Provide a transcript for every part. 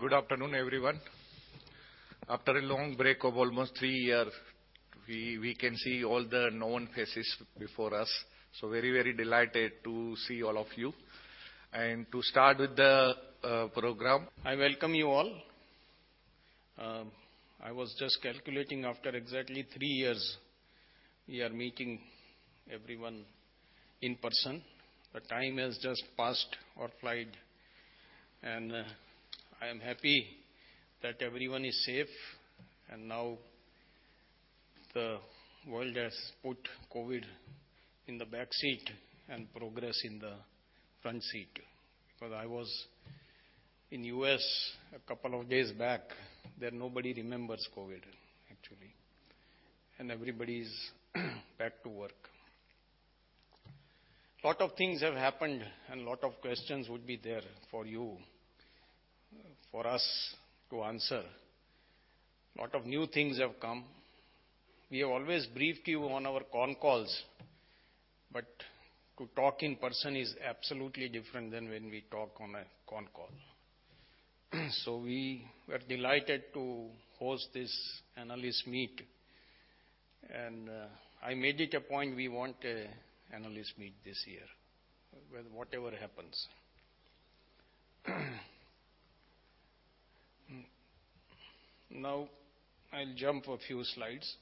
Good afternoon, everyone. After a long break of almost three years, we can see all the known faces before us. Very, very delighted to see all of you. To start with the program, I welcome you all. I was just calculating after exactly three years we are meeting everyone in person. The time has just passed or flied, and I am happy that everyone is safe. Now the world has put COVID in the back seat and progress in the front seat, because I was in U.S. a couple of days back, there nobody remembers COVID actually, and everybody's back to work. Lots of things have happened and lots of questions would be there for us to answer. Lots of new things have come. We have always briefed you on our con calls, but to talk in person is absolutely different than when we talk on a con call. We were delighted to host this analyst meet, and I made it a point we want an analyst meet this year, with whatever happens. Now I'll jump a few slides.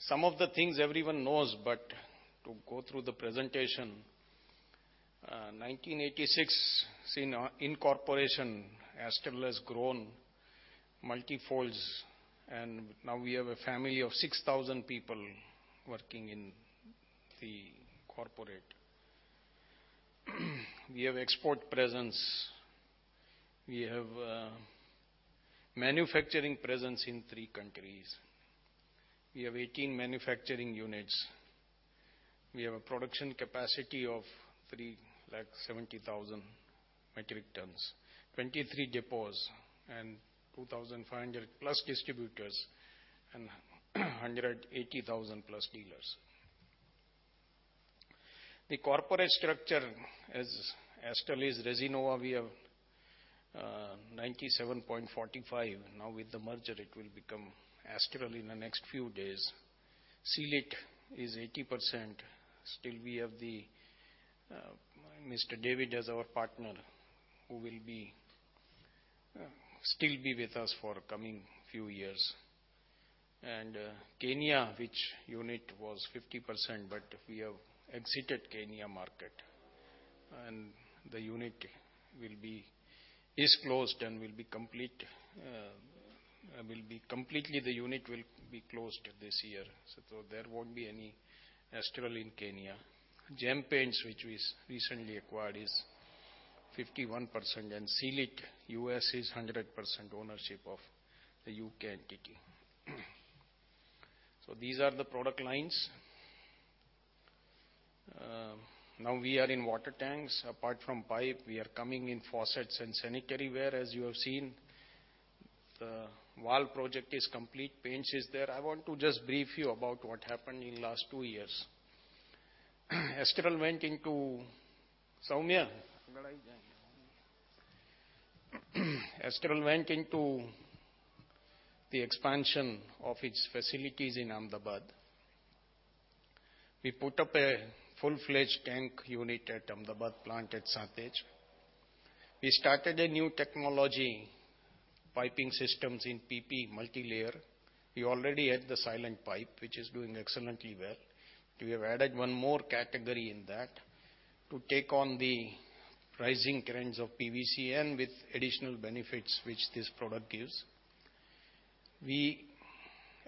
Some of the things everyone knows, but to go through the presentation. 1986, since our incorporation. Astral has grown multifold, and now we have a family of 6,000 people working in the corporate. We have export presence. We have manufacturing presence in three countries. We have 18 manufacturing units. We have a production capacity of 370,000 metric tons, 23 depots and 2,500+ distributors and 180,000+ dealers. The corporate structure of Astral is Resinova, we have 97.45%. Now with the merger, it will become Astral in the next few days. Seal It is 80%. Still we have the Mr. David as our partner, who will still be with us for coming few years. Kenya, which unit was 50%, but we have exited Kenya market and the unit is closed and will be completely closed this year. There won't be any Astral in Kenya. Gem Paints, which we recently acquired, is 51%, and Seal It U.S. is 100% ownership of the U.K. entity. These are the product lines. Now we are in water tanks. Apart from pipe, we are coming in faucets and sanitary ware as you have seen. The valve project is complete. Paints is there. I want to just brief you about what happened in last two years. Astral went into the expansion of its facilities in Ahmedabad. We put up a full-fledged tank unit at Ahmedabad plant at Santej. We started a new technology piping systems in PP multilayer. We already had the silent pipe, which is doing excellently well. We have added one more category in that to take on the rising trends of PVC and with additional benefits which this product gives. We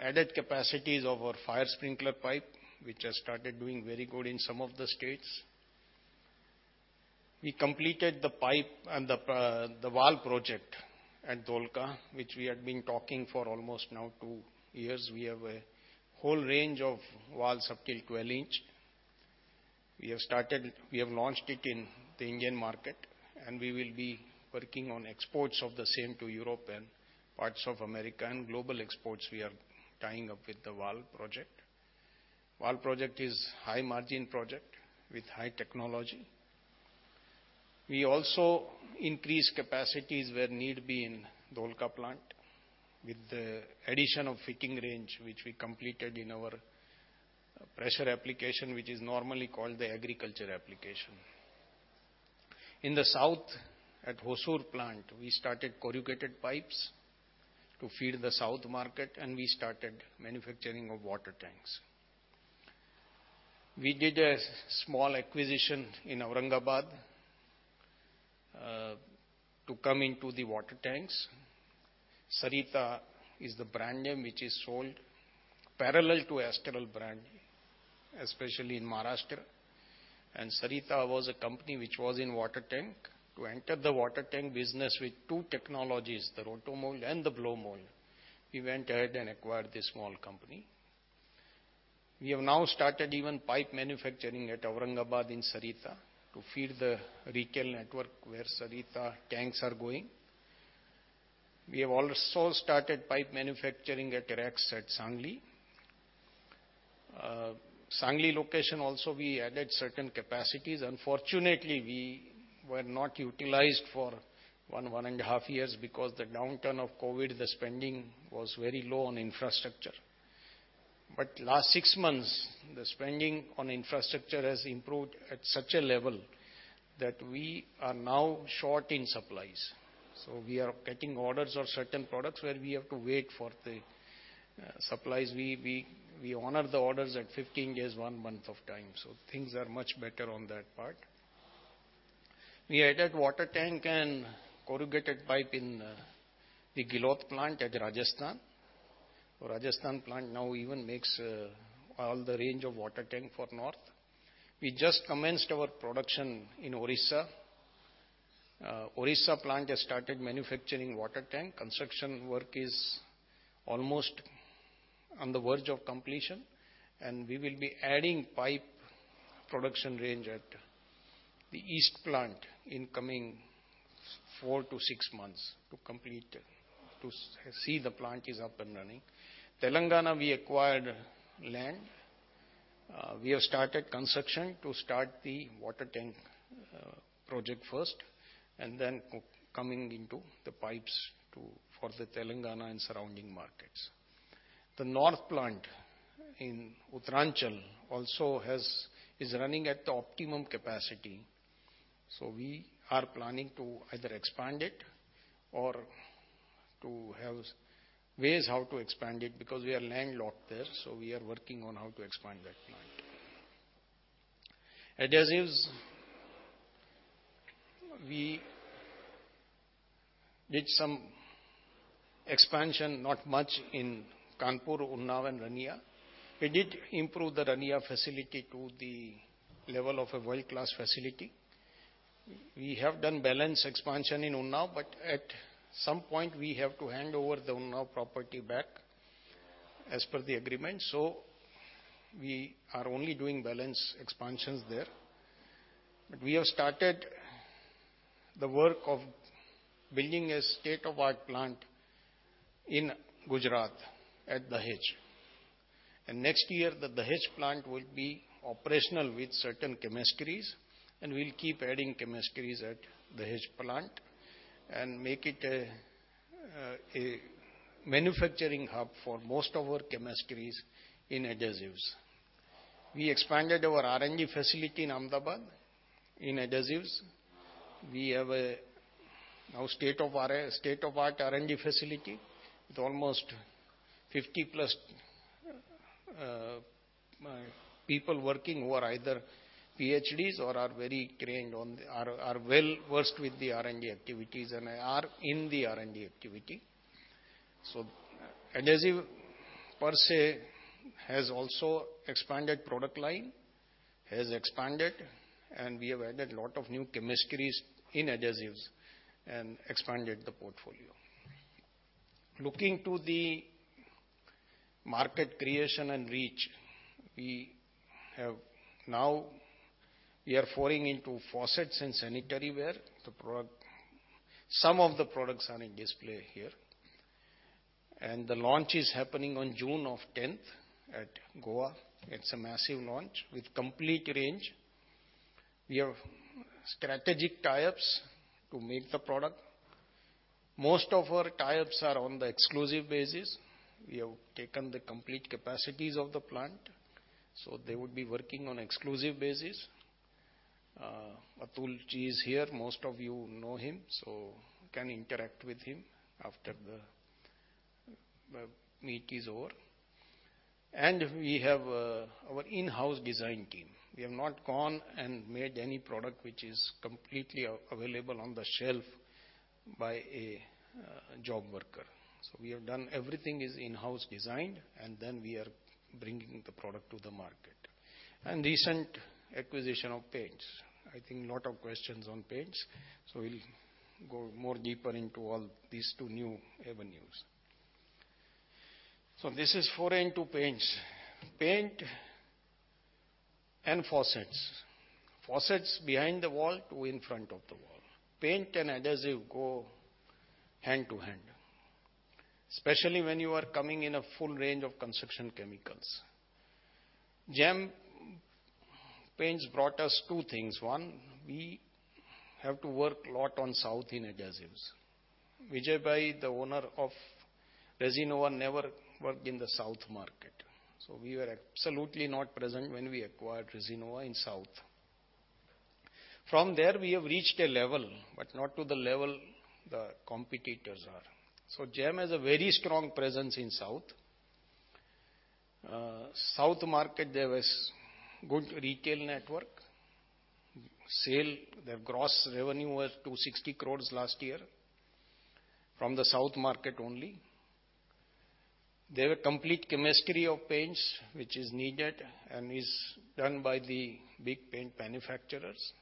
added capacities of our fire sprinkler pipe, which has started doing very good in some of the states. We completed the pipe and the valve project at Dholka, which we had been talking for almost now two years. We have a whole range of valves up till 12 in. We have launched it in the Indian market, and we will be working on exports of the same to Europe and parts of America. Global exports, we are tying up with the valve project. Valve project is high margin project with high technology. We also increased capacities where need be in Dholka plant with the addition of fitting range, which we completed in our pressure application, which is normally called the agriculture application. In the south, at Hosur plant, we started corrugated pipes to feed the South market, and we started manufacturing of water tanks. We did a small acquisition in Aurangabad to come into the water tanks. Sarita is the brand name which is sold parallel to Astral brand, especially in Maharashtra. Sarita was a company which was in water tank. To enter the water tank business with two technologies, the roto mould and the blow mould, we went ahead and acquired this small company. We have now started even pipe manufacturing at Aurangabad in Sarita to feed the retail network where Sarita tanks are going. We have also started pipe manufacturing at Rex at Sangli. Sangli location also we added certain capacities. Unfortunately, we were not utilized for one and a half years because the downturn of COVID, the spending was very low on infrastructure. Last six months, the spending on infrastructure has improved at such a level that we are now short in supplies. We are getting orders of certain products where we have to wait for the supplies. We honor the orders at 15 days, one month of time. Things are much better on that part. We added water tank and corrugated pipe in the Ghiloth plant in Rajasthan. Rajasthan plant now even makes all the range of water tank for North. We just commenced our production in Odisha. Odisha plant has started manufacturing water tank. Construction work is almost on the verge of completion, and we will be adding pipe production range at the east plant in coming four to six months to complete, to see the plant is up and running. Telangana, we acquired land. We have started construction to start the water tank project first, and then coming into the pipes to for the Telangana and surrounding markets. The north plant in Uttarakhand also is running at the optimum capacity. We are planning to either expand it or to have ways how to expand it because we are landlocked there, so we are working on how to expand that plant. Adhesives, we did some expansion, not much in Kanpur, Unnao and Rania. We did improve the Rania facility to the level of a world-class facility. We have done balanced expansion in Unnao, but at some point we have to hand over the Unnao property back as per the agreement. We are only doing balanced expansions there. We have started the work of building a state-of-the-art plant in Gujarat at Dahej. Next year, the Dahej plant will be operational with certain chemistries, and we'll keep adding chemistries at Dahej plant and make it a manufacturing hub for most of our chemistries in adhesives. We expanded our R&D facility in Ahmedabad in adhesives. We now have a state-of-the-art R&D facility with almost 50+ people working who are either PhDs or are very well versed with the R&D activities and are in the R&D activity. Adhesives per se has also expanded product line and we have added a lot of new chemistries in adhesives and expanded the portfolio. Looking to the market creation and reach, we are foraying into faucets and sanitary ware. Some of the products are on display here. The launch is happening on June of 10th at Goa. It's a massive launch with complete range. We have strategic tie-ups to make the product. Most of our tie-ups are on the exclusive basis. We have taken the complete capacities of the plant, so they would be working on exclusive basis. Atulji is here. Most of you know him, so can interact with him after the meet is over. We have our in-house design team. We have not gone and made any product which is completely available on the shelf by a job worker. We have done everything in-house designed, and then we are bringing the product to the market. Recent acquisition of paints. I think lot of questions on paints, we'll go more deeper into all these two new avenues. This is foray into paints. Paint and faucets. Faucets behind the wall to in front of the wall. Paint and adhesive go hand in hand, especially when you are coming in a full range of construction chemicals. Gem Paints brought us two things. One, we have to work lot on south in adhesives. Vijaybhai, the owner of Resinova never worked in the south market. We were absolutely not present when we acquired Resinova in South. From there, we have reached a level, but not to the level the competitors are. Gem has a very strong presence in South. South market, there was good retail network. Sales, their gross revenue was 260 crore last year from the South market only. They have a complete chemistry of paints which is needed and is done by the big paint manufacturers.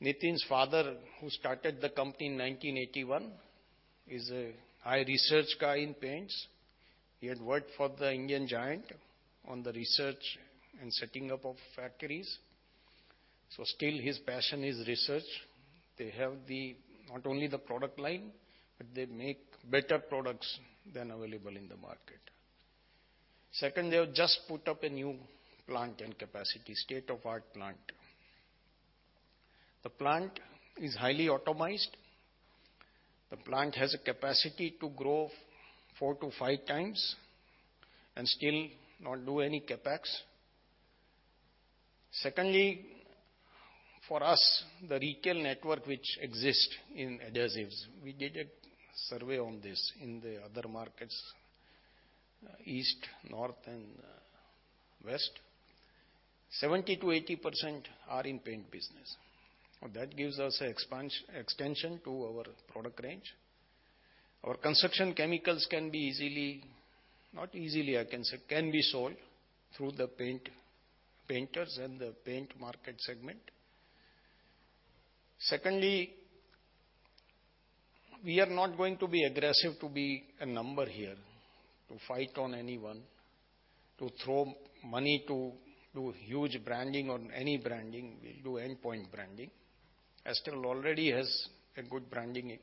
Nitin's father, who started the company in 1981, is a high research guy in paints. He had worked for the Indian giant on the research and setting up of factories. Still his passion is research. They have not only the product line, but they make better products than available in the market. Second, they have just put up a new plant and capacity, state-of-the-art plant. The plant is highly automated. The plant has a capacity to grow four to five times and still not do any CapEx. Secondly, for us, the retail network which exists in adhesives, we did a survey on this in the other markets, East, North and West. 70%-80% are in paint business. That gives us expansion, extension to our product range. Our construction chemicals can be easily, not easily, I can say, can be sold through the paint, painters and the paint market segment. Secondly, we are not going to be aggressive to be a number here, to fight on anyone, to throw money to do huge branding on any branding. We'll do endpoint branding. Astral already has a good branding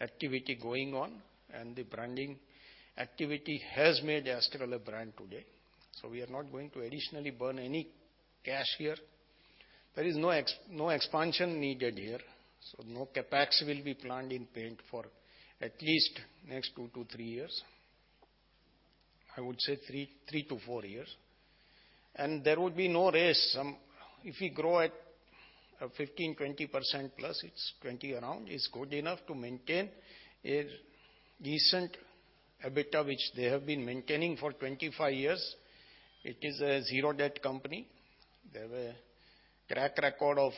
activity going on, and the branding activity has made Astral a brand today. We are not going to additionally burn any cash here. There is no expansion needed here, so no CapEx will be planned in paint for at least next two to three years. I would say three to four years. There will be no race. If we grow at 15%-20%+, it's 20% around, it's good enough to maintain a decent EBITDA, which they have been maintaining for 25 years. It is a zero debt company. They have a track record.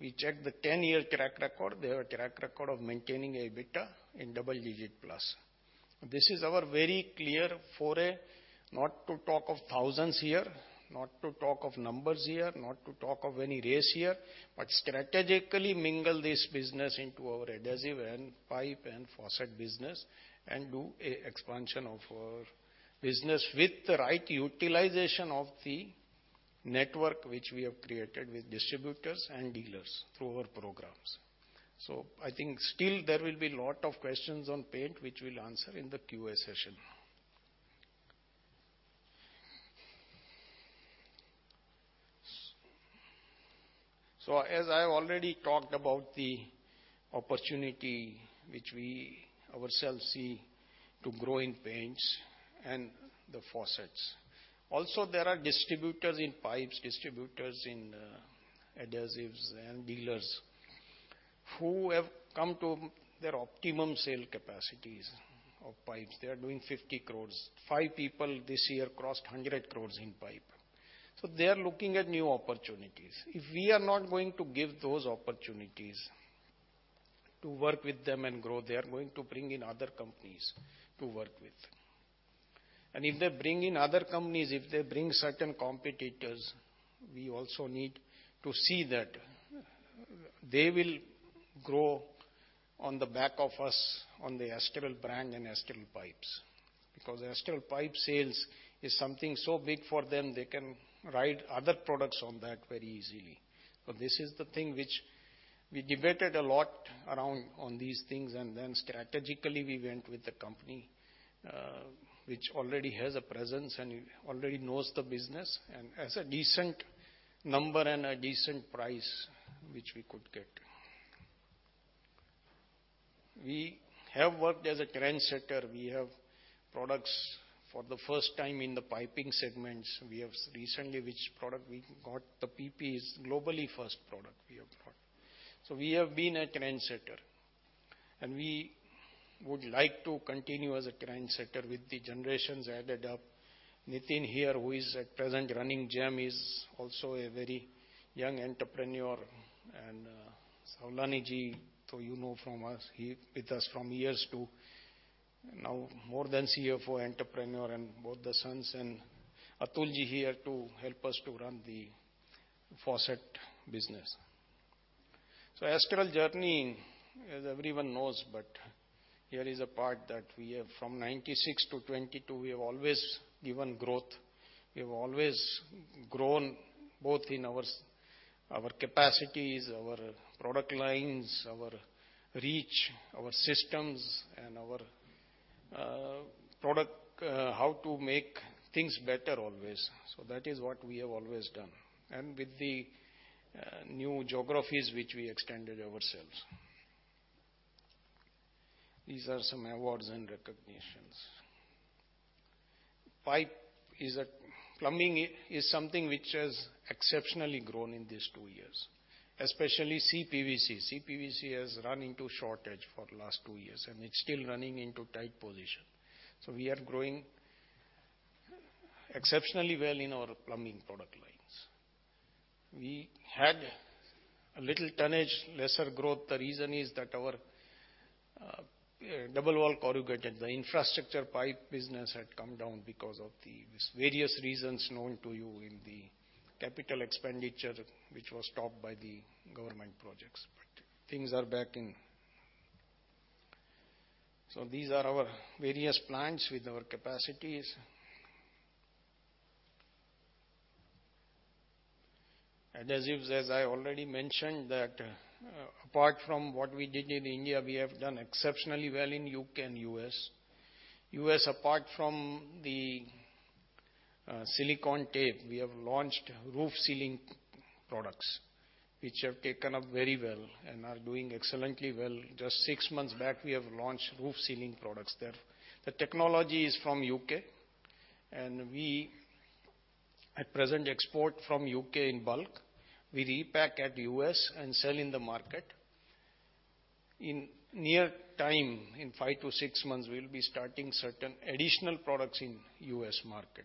We checked the 10-year track record. They have a track record of maintaining EBITDA in double-digit plus. This is our very clear foray, not to talk of thousands here, not to talk of numbers here, not to talk of any race here, but strategically mingle this business into our adhesive and pipe and faucet business and do a expansion of our business with the right utilization of the network which we have created with distributors and dealers through our programs. I think still there will be lot of questions on paint, which we'll answer in the QA session. As I've already talked about the opportunity which we ourselves see to grow in paints and the faucets. Also, there are distributors in pipes, distributors in adhesives and dealers who have come to their optimum sale capacities of pipes. They are doing 50 crore. Five people this year crossed 100 crore in pipe. They are looking at new opportunities. If we are not going to give those opportunities to work with them and grow, they are going to bring in other companies to work with. If they bring in other companies, if they bring certain competitors, we also need to see that they will grow on the back of us on the Astral brand and Astral Pipes. Because Astral Pipes sales is something so big for them, they can ride other products on that very easily. This is the thing which we debated a lot around on these things, and then strategically we went with the company, which already has a presence and already knows the business, and has a decent number and a decent price which we could get. We have worked as a trendsetter. We have products for the first time in the piping segments. We have recently, which product we got, the PP is globally first product we have brought. We have been a trendsetter, and we would like to continue as a trendsetter with the generations added up. Nitin here, who is at present running Gem, is also a very young entrepreneur. Savlaniji, so you know from us, he with us from years to now more than CFO, entrepreneur, and both the sons and Atulji here to help us to run the faucet business. Astral journey, as everyone knows, but here is a part that we have from 1996 to 2022, we have always given growth. We have always grown both in our capacities, our product lines, our reach, our systems and our product, how to make things better always. That is what we have always done, and with the new geographies which we extended ourselves. These are some awards and recognitions. Plumbing is something which has exceptionally grown in these two years, especially CPVC. CPVC has run into shortage for last two years, and it's still running into tight position. We are growing exceptionally well in our plumbing product lines. We had a little tonnage, lesser growth. The reason is that our double wall corrugated, the infrastructure pipe business had come down because of this various reasons known to you in the capital expenditure, which was stopped by the government projects. But things are back. These are our various plants with our capacities. Adhesives, as I already mentioned that, apart from what we did in India, we have done exceptionally well in U.K. and U.S. U.S., apart from the silicone tape, we have launched roof sealing products which have taken up very well and are doing excellently well. Just six` months back, we have launched roof sealing products there. The technology is from U.K., and we at present export from U.K. in bulk. We repack at U.S. and sell in the market. In near term, in five to six months, we'll be starting certain additional products in U.S. market.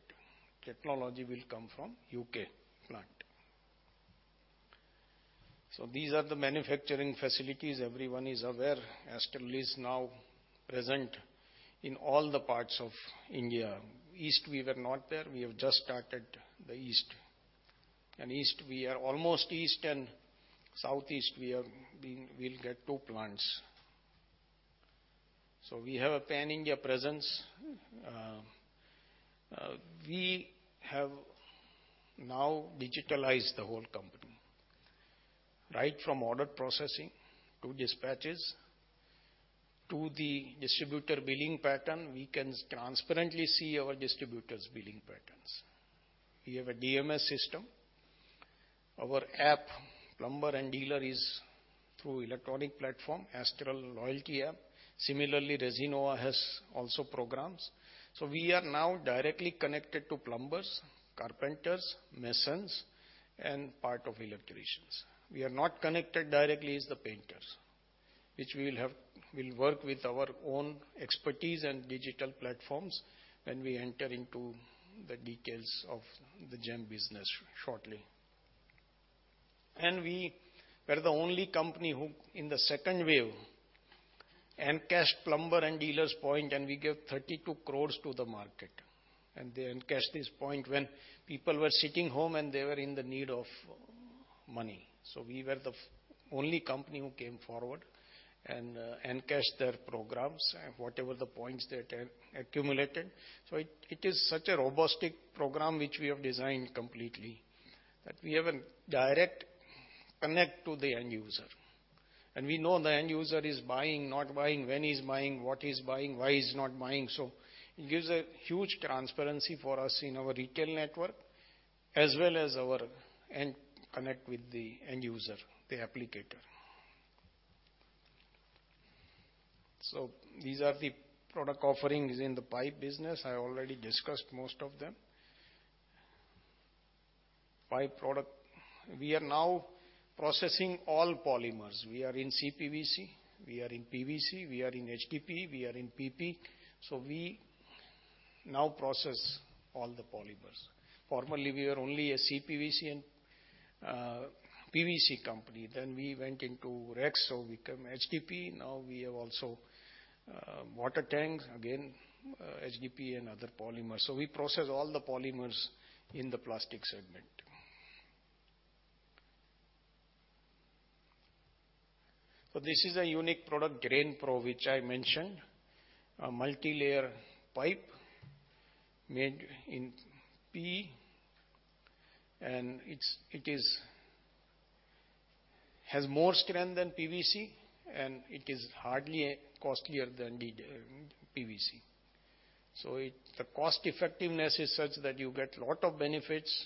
Technology will come from U.K. plant. These are the manufacturing facilities. Everyone is aware, Astral is now present in all the parts of India. East, we were not there. We have just started the East. East, we are almost East and Southeast we have been. We'll get two plants. We have a pan-India presence. We have now digitized the whole company, right from order processing to dispatches to the distributor billing pattern. We can transparently see our distributors' billing patterns. We have a DMS system. Our app, plumber and dealer is through electronic platform, Astral Loyalty app. Similarly, Resinova has also programs. We are now directly connected to plumbers, carpenters, masons, and part of electricians. We are not connected directly is the painters, which we'll work with our own expertise and digital platforms when we enter into the details of the Gem business shortly. We were the only company who in the second wave encashed plumber and dealers point, and we gave 32 crore to the market. They encash this point when people were sitting home, and they were in the need of money. We were the only company who came forward and encashed their programs and whatever the points they had accumulated. It is such a robust program which we have designed completely, that we have a direct connect to the end user. We know the end user is buying, not buying, when he's buying, what he's buying, why he's not buying. It gives a huge transparency for us in our retail network as well as our end connect with the end user, the applicator. These are the product offerings in the pipe business. I already discussed most of them. Pipe product. We are now processing all polymers. We are in CPVC, we are in PVC, we are in HDPE, we are in PP. We now process all the polymers. Formerly, we were only a CPVC and PVC company. We went into Rex, we become HDPE. Now we have water tanks, again, HDPE and other polymers. We process all the polymers in the plastic segment. This is a unique product, DrainPro, which I mentioned. A multilayer pipe made in PE, and it has more strength than PVC, and it is hardly costlier than the PVC. The cost effectiveness is such that you get a lot of benefits,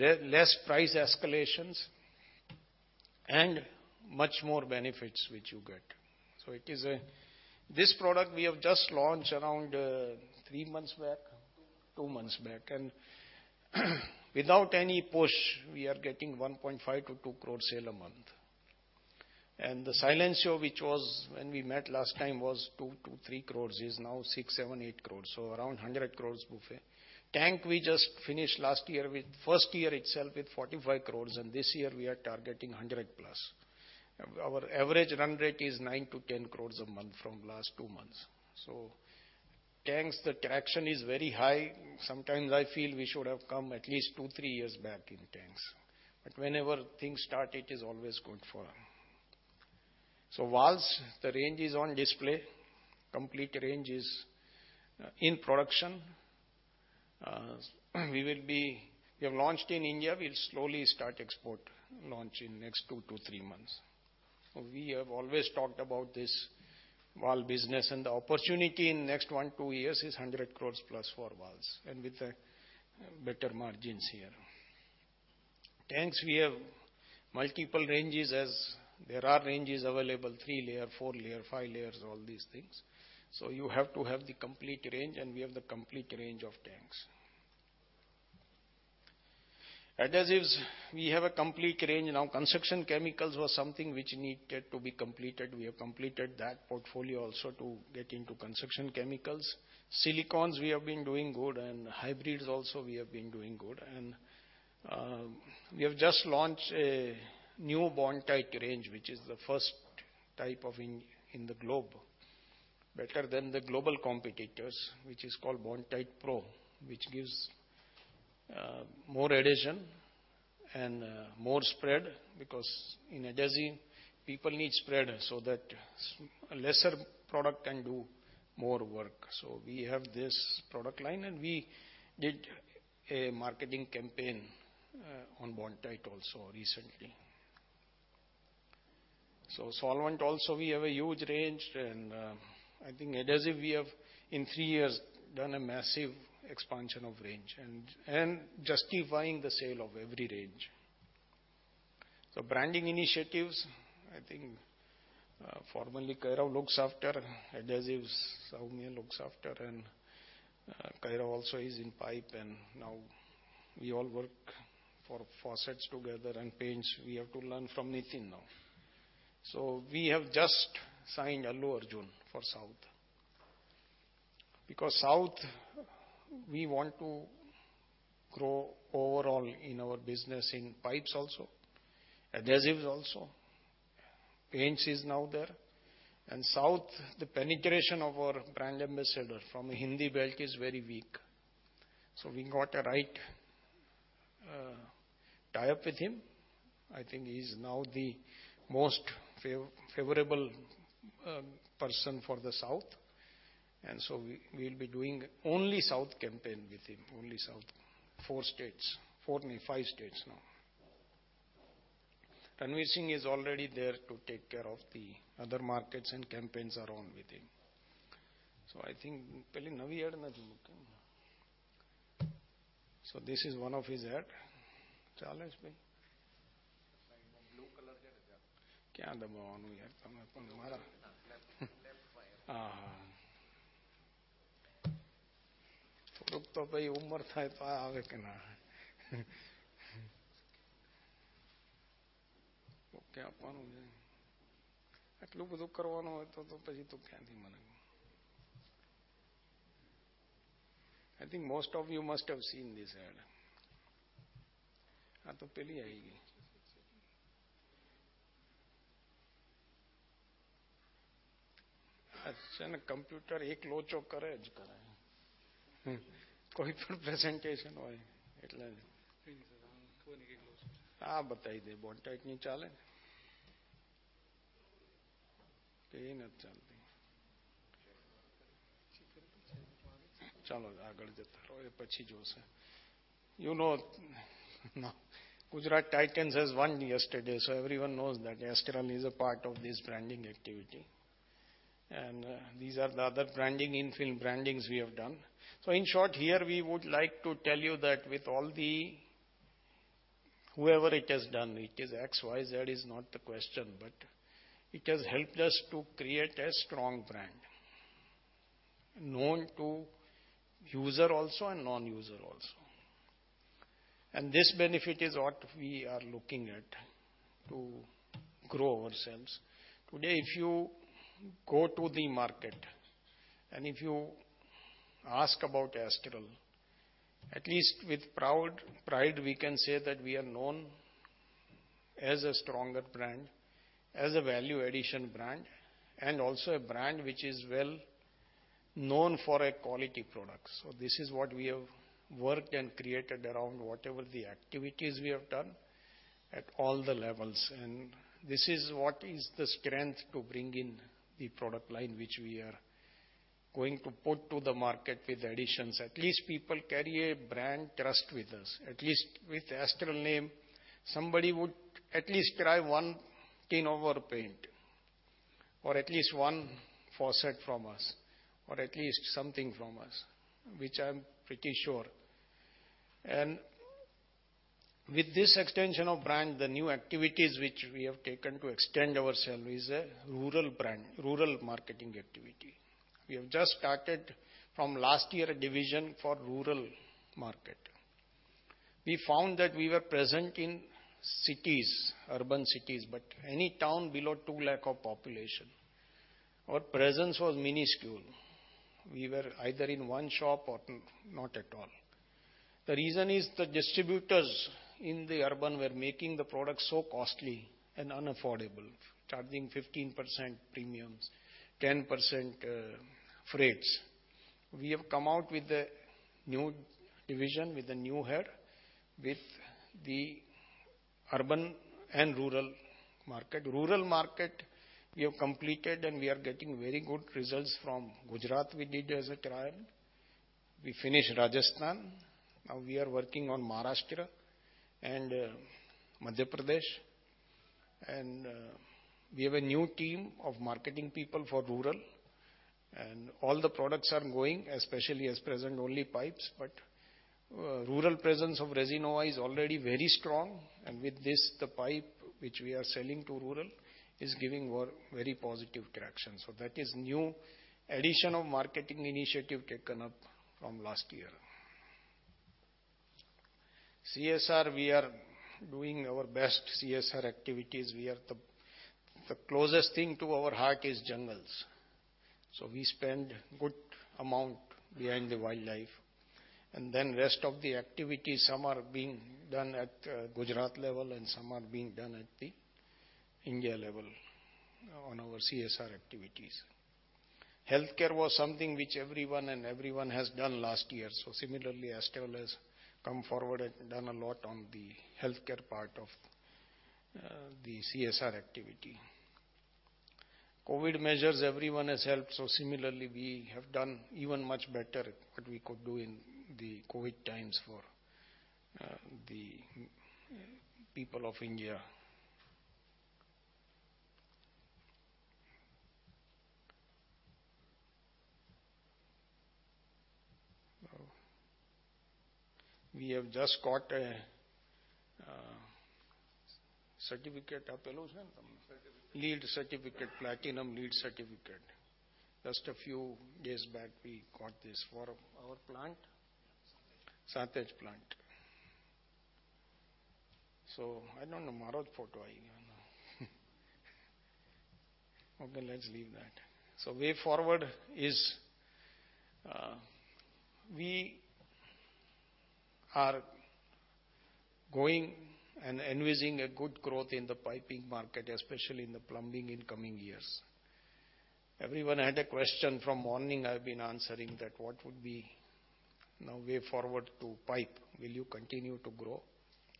less price escalations, and much more benefits which you get. This product we have just launched around three months back. Two months back. Without any push, we are getting 1.5 crore-2 crore sales a month. The Silencio, which was when we met last time, was 2 crore-3 crore, is now 6 crore, 7 crore, 8 crore. Around 100 crore from it. Tanks, we just finished last year with first year itself with 45 crore, and this year we are targeting 100+. Our average run rate is 9 crore-10 crore a month from last two months. Tanks, the traction is very high. Sometimes I feel we should have come at least two, three years back in tanks. Whenever things start, it is always good for us. Valves, the range is on display. Complete range is in production. We have launched in India. We'll slowly start export launch in next two to three months. We have always talked about this valve business, and the opportunity in the next one, two years is 100 crore plus for valves, and with better margins here. Tanks, we have multiple ranges as there are ranges available, three-layer, four-layer, five-layer, all these things. You have to have the complete range, and we have the complete range of tanks. Adhesives, we have a complete range now. Construction chemicals was something which needed to be completed. We have completed that portfolio also to get into construction chemicals. Silicones, we have been doing good. Hybrids also, we have been doing good. We have just launched a new Bondtite range, which is the first type in the globe, better than the global competitors, which is called Bondtite Pro, which gives more adhesion and more spread because in adhesive people need spread so that a lesser product can do more work. We have this product line, and we did a marketing campaign on Bondtite also recently. Solvent also we have a huge range and I think adhesive we have in three years done a massive expansion of range and justifying the sale of every range. Branding initiatives, I think, formally Kairav looks after adhesives, Saumya looks after and Kairav also is in pipe. Now we all work for faucets together and paints we have to learn from Nitin now. We have just signed Allu Arjun for South. Because South we want to grow overall in our business in pipes also, adhesives also, paints is now there. South, the penetration of our brand ambassador from Hindi belt is very weak. We got a right tie-up with him. I think he's now the most favorable person for the South, and so we'll be doing only South campaign with him. Only South. Four states. No, five states now. Ranveer Singh is already there to take care of the other markets and campaigns around with him. I think most of you must have seen this ad. You know Gujarat Titans has won yesterday, so everyone knows that Astral is a part of this branding activity. These are the other branding, in-film brandings we have done. In short, here we would like to tell you that with all the. Whoever it has done, it is X, Y, Z is not the question, but it has helped us to create a strong brand known to user also and non-user also. This benefit is what we are looking at to grow ourselves. Today, if you go to the market, and if you ask about Astral, at least with pride, we can say that we are known as a stronger brand, as a value addition brand, and also a brand which is well known for a quality product. This is what we have worked and created around whatever the activities we have done at all the levels. This is what is the strength to bring in the product line, which we are going to put to the market with additions. At least people carry a brand trust with us. At least with Astral name, somebody would at least try one tin of our paint or at least one faucet from us or at least something from us, which I'm pretty sure. With this extension of brand, the new activities which we have taken to extend ourself is a rural brand, rural marketing activity. We have just started from last year a division for rural market. We found that we were present in cities, urban cities, but any town below 200,000 of population, our presence was minuscule. We were either in one shop or not at all. The reason is the distributors in the urban were making the product so costly and unaffordable, charging 15% premiums, 10%, freights. We have come out with a new division, with a new head, with the urban and rural market. Rural market we have completed, and we are getting very good results from Gujarat we did as a trial. We finished Rajasthan. Now we are working on Maharashtra and Madhya Pradesh. We have a new team of marketing people for rural, and all the products are going at present only pipes, but rural presence of Resinova is already very strong. With this, the pipe which we are selling to rural is giving very positive traction. That is new addition of marketing initiative taken up from last year. CSR, we are doing our best CSR activities. We are the closest thing to our heart is jungles. We spend good amount behind the wildlife. Rest of the activities, some are being done at Gujarat level, and some are being done at the India level on our CSR activities. Healthcare was something which everyone has done last year. Similarly, Astral has come forward and done a lot on the healthcare part of the CSR activity. COVID measures, everyone has helped. Similarly, we have done even much better what we could do in the COVID times for the people of India. We have just got a certificate. How call it? Certificate. LEED certificate. Platinum LEED certificate. Just a few days back, we got this for our plant. Santej. Santej plant. I don't know Maroth photo. I don't know. Okay, let's leave that. Way forward is, we are going and envisaging a good growth in the piping market, especially in the plumbing in coming years. Everyone had a question. From morning I've been answering that what would be now way forward to pipe? Will you continue to grow,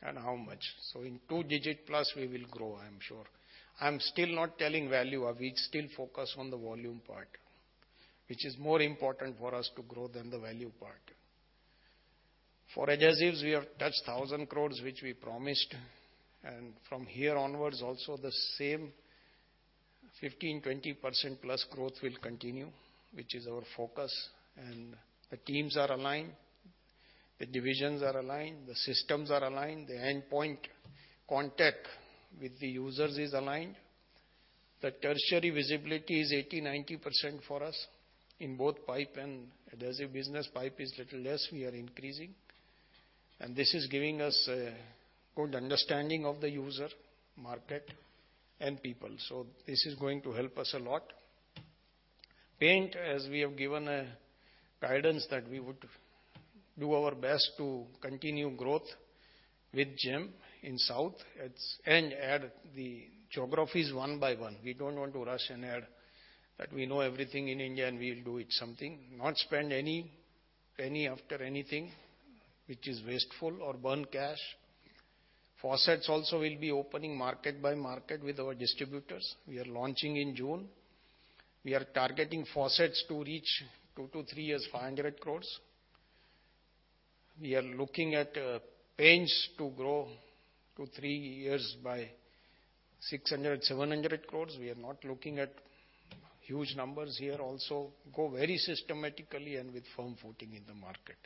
and how much? In two-digit plus we will grow, I am sure. I'm still not telling value. We still focus on the volume part, which is more important for us to grow than the value part. For adhesives, we have touched 1,000 crore, which we promised. From here onwards also the same 15%-20%+ growth will continue, which is our focus. The teams are aligned, the divisions are aligned, the systems are aligned. The endpoint contact with the users is aligned. The tertiary visibility is 80%-90% for us in both pipe and adhesive business. Pipe is little less. We are increasing. This is giving us a good understanding of the user market and people. This is going to help us a lot. Paints, as we have given guidance that we would do our best to continue growth with Gem in South and add the geographies one by one. We don't want to rush and add that we know everything in India and we'll do something. Not spend any effort on anything which is wasteful or burn cash. Faucets also will be opening market by market with our distributors. We are launching in June. We are targeting faucets to reach two to three years, 500 crore. We are looking at paints to grow two to three years by 600 crore-700 crore. We are not looking at huge numbers here. Also go very systematically and with firm footing in the market.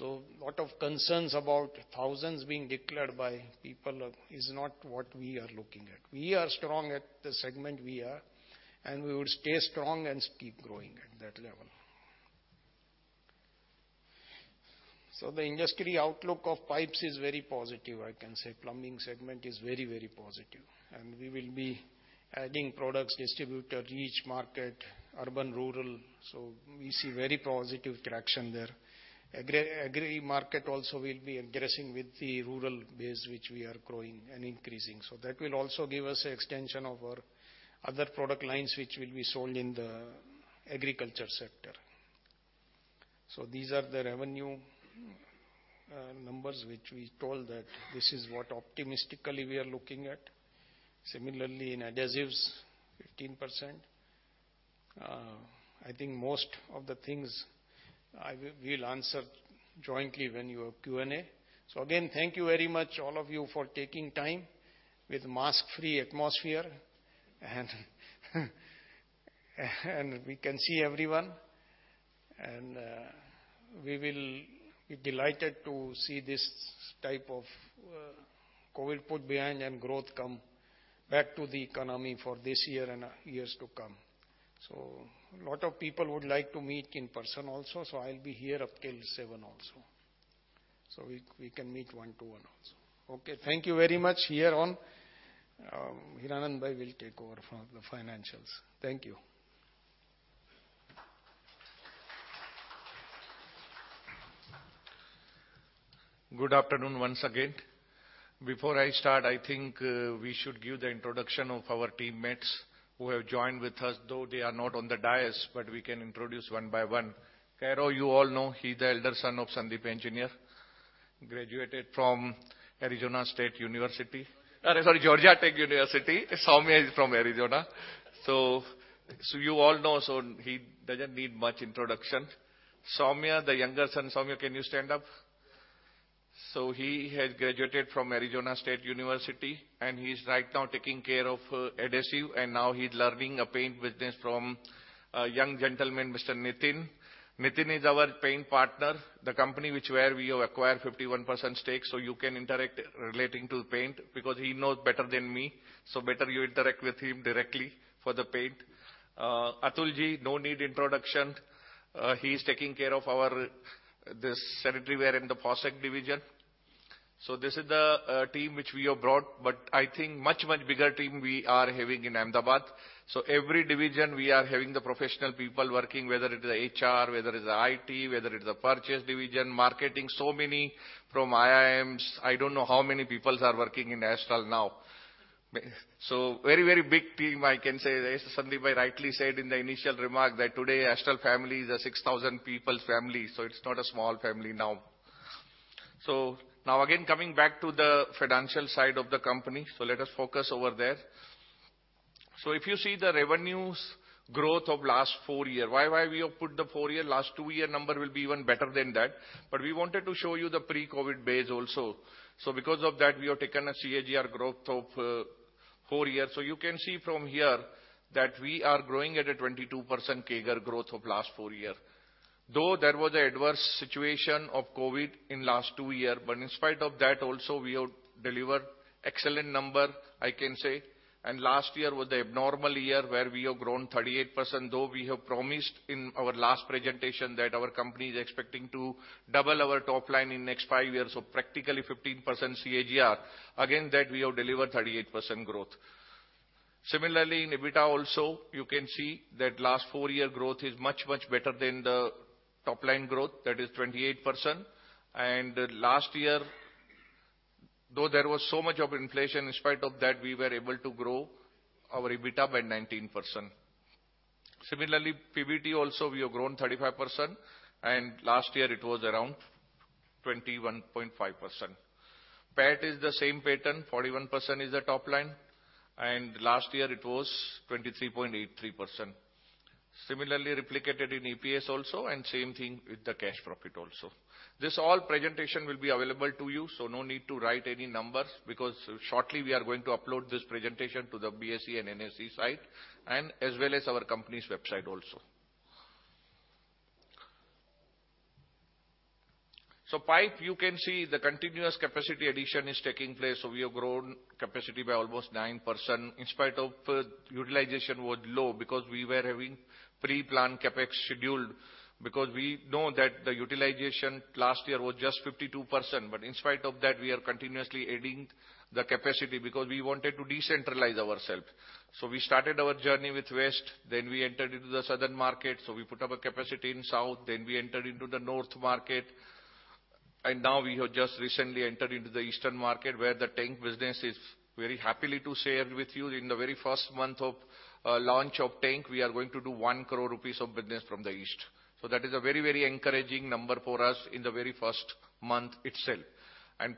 Lot of concerns about thousands being declared by people is not what we are looking at. We are strong at the segment we are and we will stay strong and keep growing at that level. The industry outlook of pipes is very positive, I can say. Plumbing segment is very, very positive, and we will be adding products, distributor, reach market, urban, rural. We see very positive traction there. Agri market also will be addressing with the rural base which we are growing and increasing. That will also give us extension of our other product lines which will be sold in the agriculture sector. These are the revenue numbers which we told that this is what optimistically we are looking at. Similarly, in adhesives, 15%. I think most of the things we'll answer jointly when you have Q&A. Again, thank you very much, all of you, for taking time with mask-free atmosphere. We can see everyone. We will be delighted to see this type of COVID put behind and growth come back to the economy for this year and years to come. A lot of people would like to meet in person also. I'll be here up till 7:00 also, so we can meet one to one also. Okay, thank you very much here on. Hiranandbhai will take over from the financials. Thank you. Good afternoon once again. Before I start, I think we should give the introduction of our teammates who have joined with us, though they are not on the dais, but we can introduce one by one. Kairav, you all know. He's the elder son of Sandeep Engineer. Graduated from Arizona State University. Sorry, Georgia Tech University. Saumya is from Arizona. You all know, he doesn't need much introduction. Saumya, can you stand up? He has graduated from Arizona State University and he's right now taking care of adhesives. Now he's learning a paint business from a young gentleman, Mr. Nitin. Nitin is our paint partner, the company which we have acquired 51% stake. You can interact relating to paint because he knows better than me. Better you interact with him directly for the paint. Atulji, no need introduction. He is taking care of our this sanitary ware and the faucet division. This is the team which we have brought. But I think much, much bigger team we are having in Ahmedabad. Every division we are having the professional people working, whether it is HR, whether it's IT, whether it's a purchase division, marketing. Many from IIMs. I don't know how many people are working in Astral now. Very, very big team, I can say. As Sandeep rightly said in the initial remark that today Astral family is a 6,000 people family, it's not a small family now. Now again, coming back to the financial side of the company, let us focus over there. If you see the revenues growth of last four year. Why, why we have put the four year? Last two-year numbers will be even better than that. We wanted to show you the pre-COVID base also. Because of that, we have taken a CAGR growth of four years. You can see from here that we are growing at a 22% CAGR growth of last four years. Though there was an adverse situation of COVID in last two years, but in spite of that also, we have delivered excellent numbers, I can say. Last year was the abnormal year where we have grown 38%, though we have promised in our last presentation that our company is expecting to double our top line in next five years. Practically 15% CAGR. Again, that we have delivered 38% growth. Similarly, in EBITDA also, you can see that last four year growth is much, much better than the top line growth that is 28%. Last year, though there was so much of inflation, in spite of that, we were able to grow our EBITDA by 19%. Similarly, PBT also we have grown 35%, and last year it was around 21.5%. PAT is the same pattern, 41% is the top line, and last year it was 23.83%. Similarly replicated in EPS also and same thing with the cash profit also. This all presentation will be available to you, so no need to write any numbers because shortly we are going to upload this presentation to the BSE and NSE site and as well as our company's website also. Pipe you can see the continuous capacity addition is taking place. We have grown capacity by almost 9% in spite of utilization was low because we were having preplanned CapEx scheduled because we know that the utilization last year was just 52%. In spite of that, we are continuously adding the capacity because we wanted to decentralize ourself. We started our journey with West, then we entered into the Southern market, so we put up a capacity in South, then we entered into the North market, and now we have just recently entered into the Eastern market where the tank business is very happily to share with you in the very first month of launch of tank, we are going to do 1 crore rupees of business from the East. That is a very, very encouraging number for us in the very first month itself.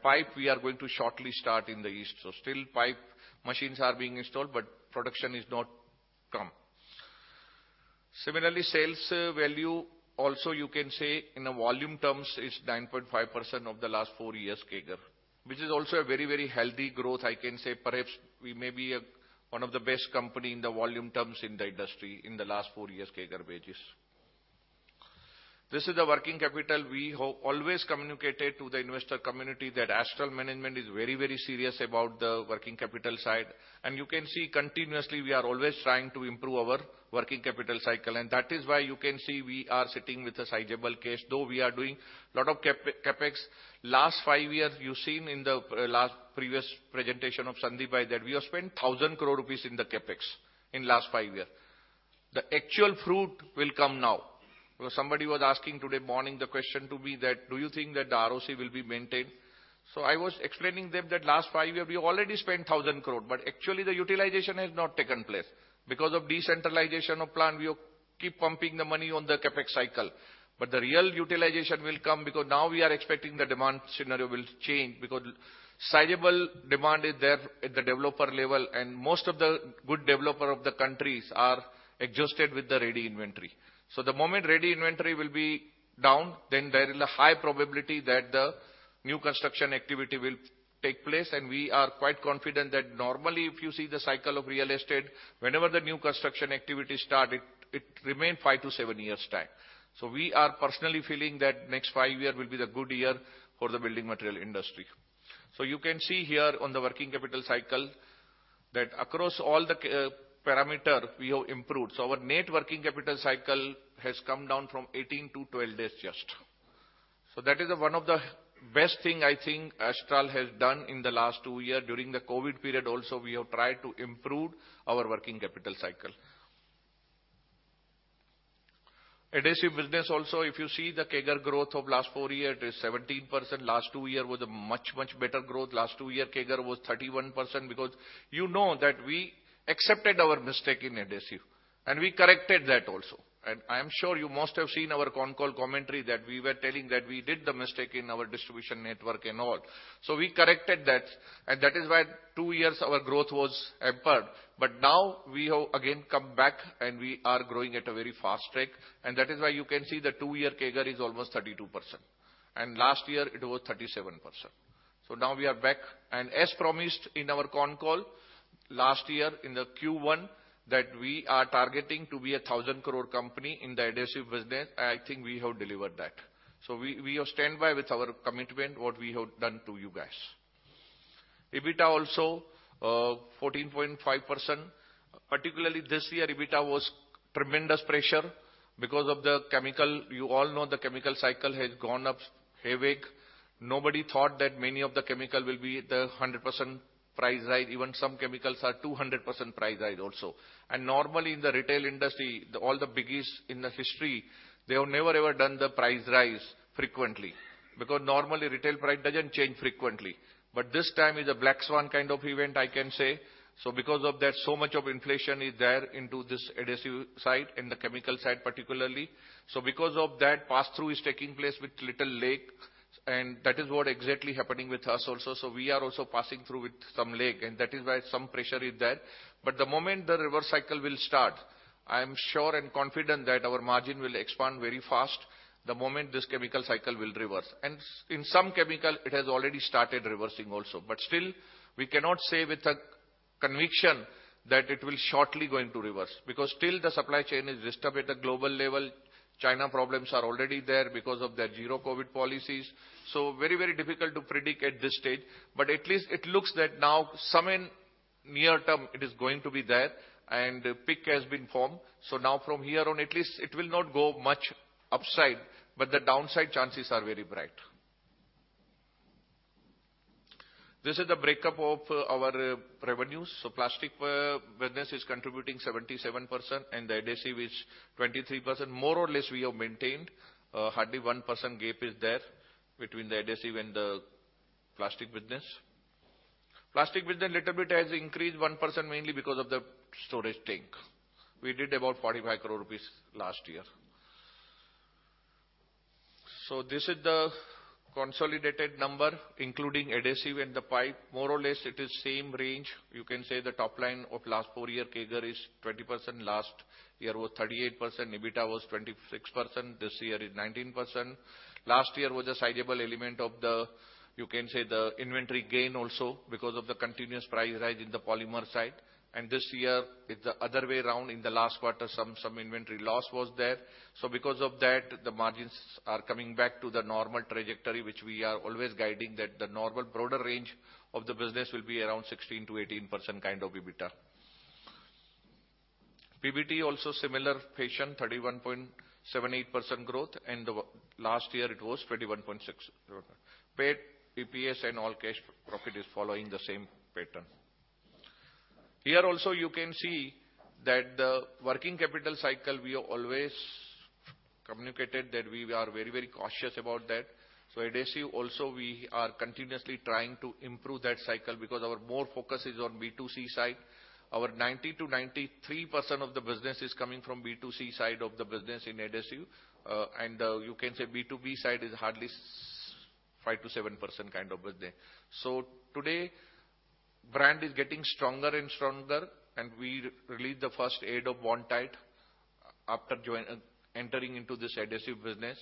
Pipe we are going to shortly start in the East. Still pipe machines are being installed, but production is not come. Similarly, sales value also you can say in a volume terms is 9.5% of the last four years CAGR, which is also a very, very healthy growth, I can say. Perhaps we may be one of the best company in the volume terms in the industry in the last four years CAGR basis. This is the working capital. We have always communicated to the investor community that Astral management is very, very serious about the working capital side. You can see continuously we are always trying to improve our working capital cycle. That is why you can see we are sitting with a sizable cash, though we are doing a lot of CapEx. Last five years you've seen in the last previous presentation of Sandeep that we have spent 1,000 crore rupees in the CapEx in last five year. The actual fruit will come now. Because somebody was asking this morning the question to me that do you think that the ROCE will be maintained? I was explaining them that last five year we've already spent 1,000 crore, but actually the utilization has not taken place. Because of decentralization of plant, we keep pumping the money on the CapEx cycle. The real utilization will come because now we are expecting the demand scenario will change because sizable demand is there at the developer level, and most of the good developers of the country are adjusted with the ready inventory. The moment ready inventory will be down, then there is a high probability that the new construction activity will take place. We are quite confident that normally if you see the cycle of real estate, whenever the new construction activity start, it remain five to seven years time. We are personally feeling that next five year will be the good year for the building material industry. You can see here on the working capital cycle that across all the parameter we have improved. Our net working capital cycle has come down from 18 to 12 days just. That is one of the best thing I think Astral has done in the last two year during the COVID period also we have tried to improve our working capital cycle. Adhesive business also, if you see the CAGR growth of last four years, it is 17%. Last two years was a much, much better growth. Last two year CAGR was 31% because you know that we accepted our mistake in adhesive and we corrected that also. I'm sure you must have seen our con call commentary that we were telling that we did the mistake in our distribution network and all. We corrected that and that is why two years our growth was impaired. Now we have again come back and we are growing at a very fast rate. That is why you can see the two year CAGR is almost 32%. Last year it was 37%. Now we are back. As promised in our con call last year in the Q1 that we are targeting to be 1,000 crore company in the adhesive business, I think we have delivered that. We stand by with our commitment what we have done to you guys. EBITDA also 14.5%. Particularly this year EBITDA was under tremendous pressure because of the chemicals. You all know the chemical cycle has wreaked havoc. Nobody thought that many of the chemicals will be the 100% price rise. Even some chemicals are 200% price rise also. Normally in the retail industry all the biggies in the history they have never ever done the price rise frequently because normally retail price doesn't change frequently. This time is a black swan kind of event I can say. Because of that so much of inflation is there into this adhesive side, in the chemical side particularly. Because of that pass-through is taking place with little lag. That is what exactly happening with us also. We are also passing through with some lag, and that is why some pressure is there. The moment the reverse cycle will start, I am sure and confident that our margin will expand very fast the moment this chemical cycle will reverse. In some chemical, it has already started reversing also. Still, we cannot say with a conviction that it will shortly going to reverse, because still the supply chain is disturbed at a global level. China problems are already there because of their zero COVID policies. Very, very difficult to predict at this stage. At least it looks that now some in near term it is going to be there, and a peak has been formed. Now from here on at least it will not go much upside, but the downside chances are very bright. This is the break-up of our revenues. Plastic business is contributing 77% and the adhesive is 23%. More or less we have maintained. Hardly 1% gap is there between the adhesive and the plastic business. Plastic business little bit has increased 1% mainly because of the storage tank. We did about 45 crore rupees last year. This is the consolidated number, including adhesive and the pipe. More or less it is same range. You can say the top line of last four year CAGR is 20%. Last year was 38%. EBITDA was 26%. This year is 19%. Last year was a sizable element of the, you can say, the inventory gain also because of the continuous price rise in the polymer side. This year it's the other way around. In the last quarter, some inventory loss was there. Because of that, the margins are coming back to the normal trajectory, which we are always guiding that the normal broader range of the business will be around 16%-18% kind of EBITDA. PBT also similar fashion, 31.78% growth, and the last year it was 21.6%. PAT, EPS and all cash profit is following the same pattern. Here also you can see that the working capital cycle, we have always communicated that we are very, very cautious about that. Adhesive also, we are continuously trying to improve that cycle because our major focus is on B2C side. Our 90%-93% of the business is coming from B2C side of the business in adhesive. You can say B2B side is hardly 5%-7% kind of business. Today brand is getting stronger and stronger and we released the first ad of Bondtite after entering into this adhesive business.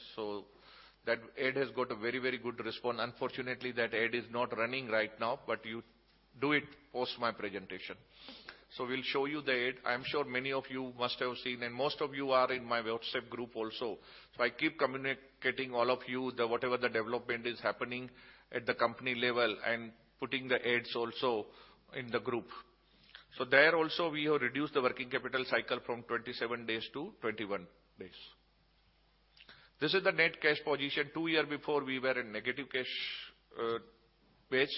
That ad has got a very, very good response. Unfortunately, that ad is not running right now, but we'll do it post my presentation. We'll show you the ad. I'm sure many of you must have seen, and most of you are in my WhatsApp group also. I keep communicating all of you whatever the development is happening at the company level and putting the ads also in the group. There also we have reduced the working capital cycle from 37 days to 31 days. This is the net cash position. Two years before we were in negative cash base,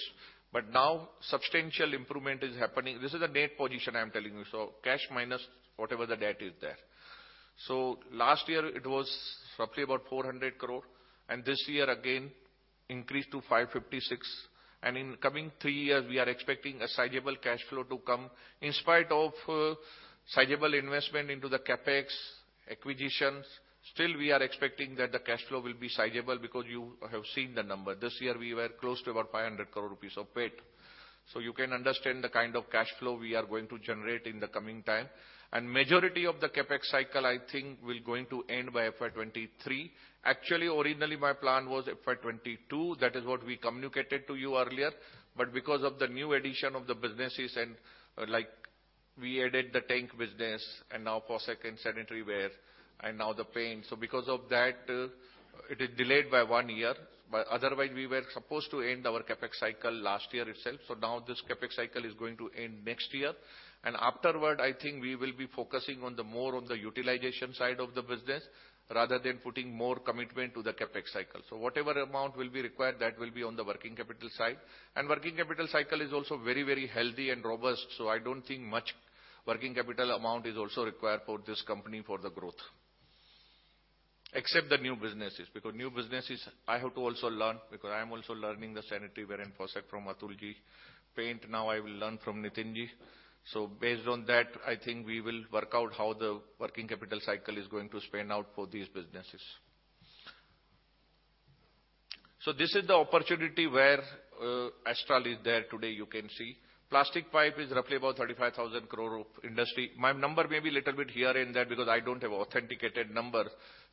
but now substantial improvement is happening. This is the net position I'm telling you. Cash minus whatever the debt is there. Last year it was roughly about 400 crore and this year again increased to 556 crore. In coming three years we are expecting a sizable cash flow to come. In spite of sizable investment into the CapEx acquisitions, still we are expecting that the cash flow will be sizable because you have seen the number. This year we were close to about 500 crore rupees of PAT. You can understand the kind of cash flow we are going to generate in the coming time. Majority of the CapEx cycle I think will going to end by FY 2023. Actually, originally my plan was FY 2022. That is what we communicated to you earlier. Because of the new addition of the businesses and, like, we added the tank business and now faucet and sanitary ware and now the paint. Because of that, it is delayed by one year. Otherwise we were supposed to end our CapEx cycle last year itself. Now this CapEx cycle is going to end next year. Afterward, I think we will be focusing on the more on the utilization side of the business rather than putting more commitment to the CapEx cycle. Whatever amount will be required, that will be on the working capital side. Working capital cycle is also very, very healthy and robust, so I don't think much working capital amount is also required for this company for the growth. Except the new businesses, because new businesses I have to also learn because I am also learning the sanitary ware and faucet from Atulji. Paint, now I will learn from Nitinji. Based on that, I think we will work out how the working capital cycle is going to pan out for these businesses. This is the opportunity where Astral is there today you can see. Plastic pipe is roughly about 35,000 crore industry. My number may be little bit here and there because I don't have authenticated number,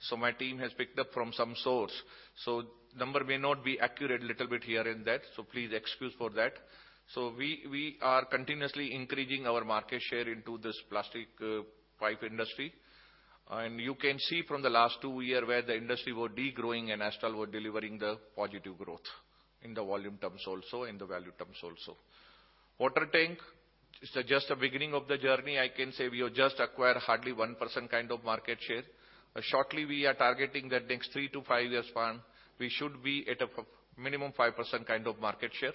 so my team has picked up from some source. Number may not be accurate a little bit here and there, so please excuse for that. We are continuously increasing our market share into this plastic pipe industry. You can see from the last two years where the industry were degrowing and Astral were delivering the positive growth in the volume terms also, in the value terms also. Water tank is just the beginning of the journey. I can say we have just acquired hardly 1% kind of market share. Shortly we are targeting the next three to five years span, we should be at a minimum 5% kind of market share.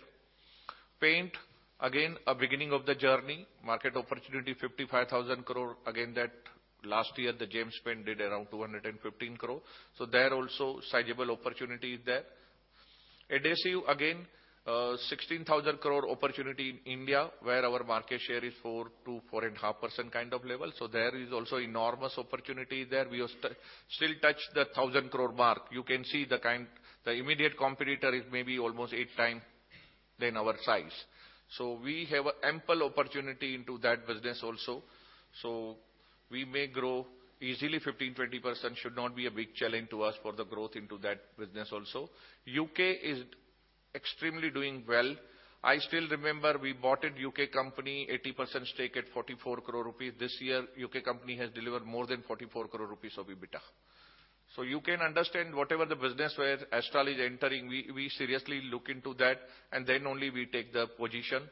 Paint, again, a beginning of the journey. Market opportunity 55,000 crore. Again, that last year the Gem Paints did around 215 crore. There also sizable opportunity is there. Adhesives, again, 16,000 crore opportunity in India, where our market share is 4%-4.5% kind of level. There is also enormous opportunity there. We are still to touch the 1,000 crore mark. You can see. The immediate competitor is maybe almost eight times than our size. We have ample opportunity into that business also. We may grow easily 15%-20% should not be a big challenge to us for the growth into that business also. U.K. is extremely doing well. I still remember we bought a U.K. company, 80% stake at 44 crore rupees. This year, U.K. company has delivered more than 44 crore rupees of EBITDA. You can understand whatever the business where Astral is entering, we seriously look into that and then only we take the position.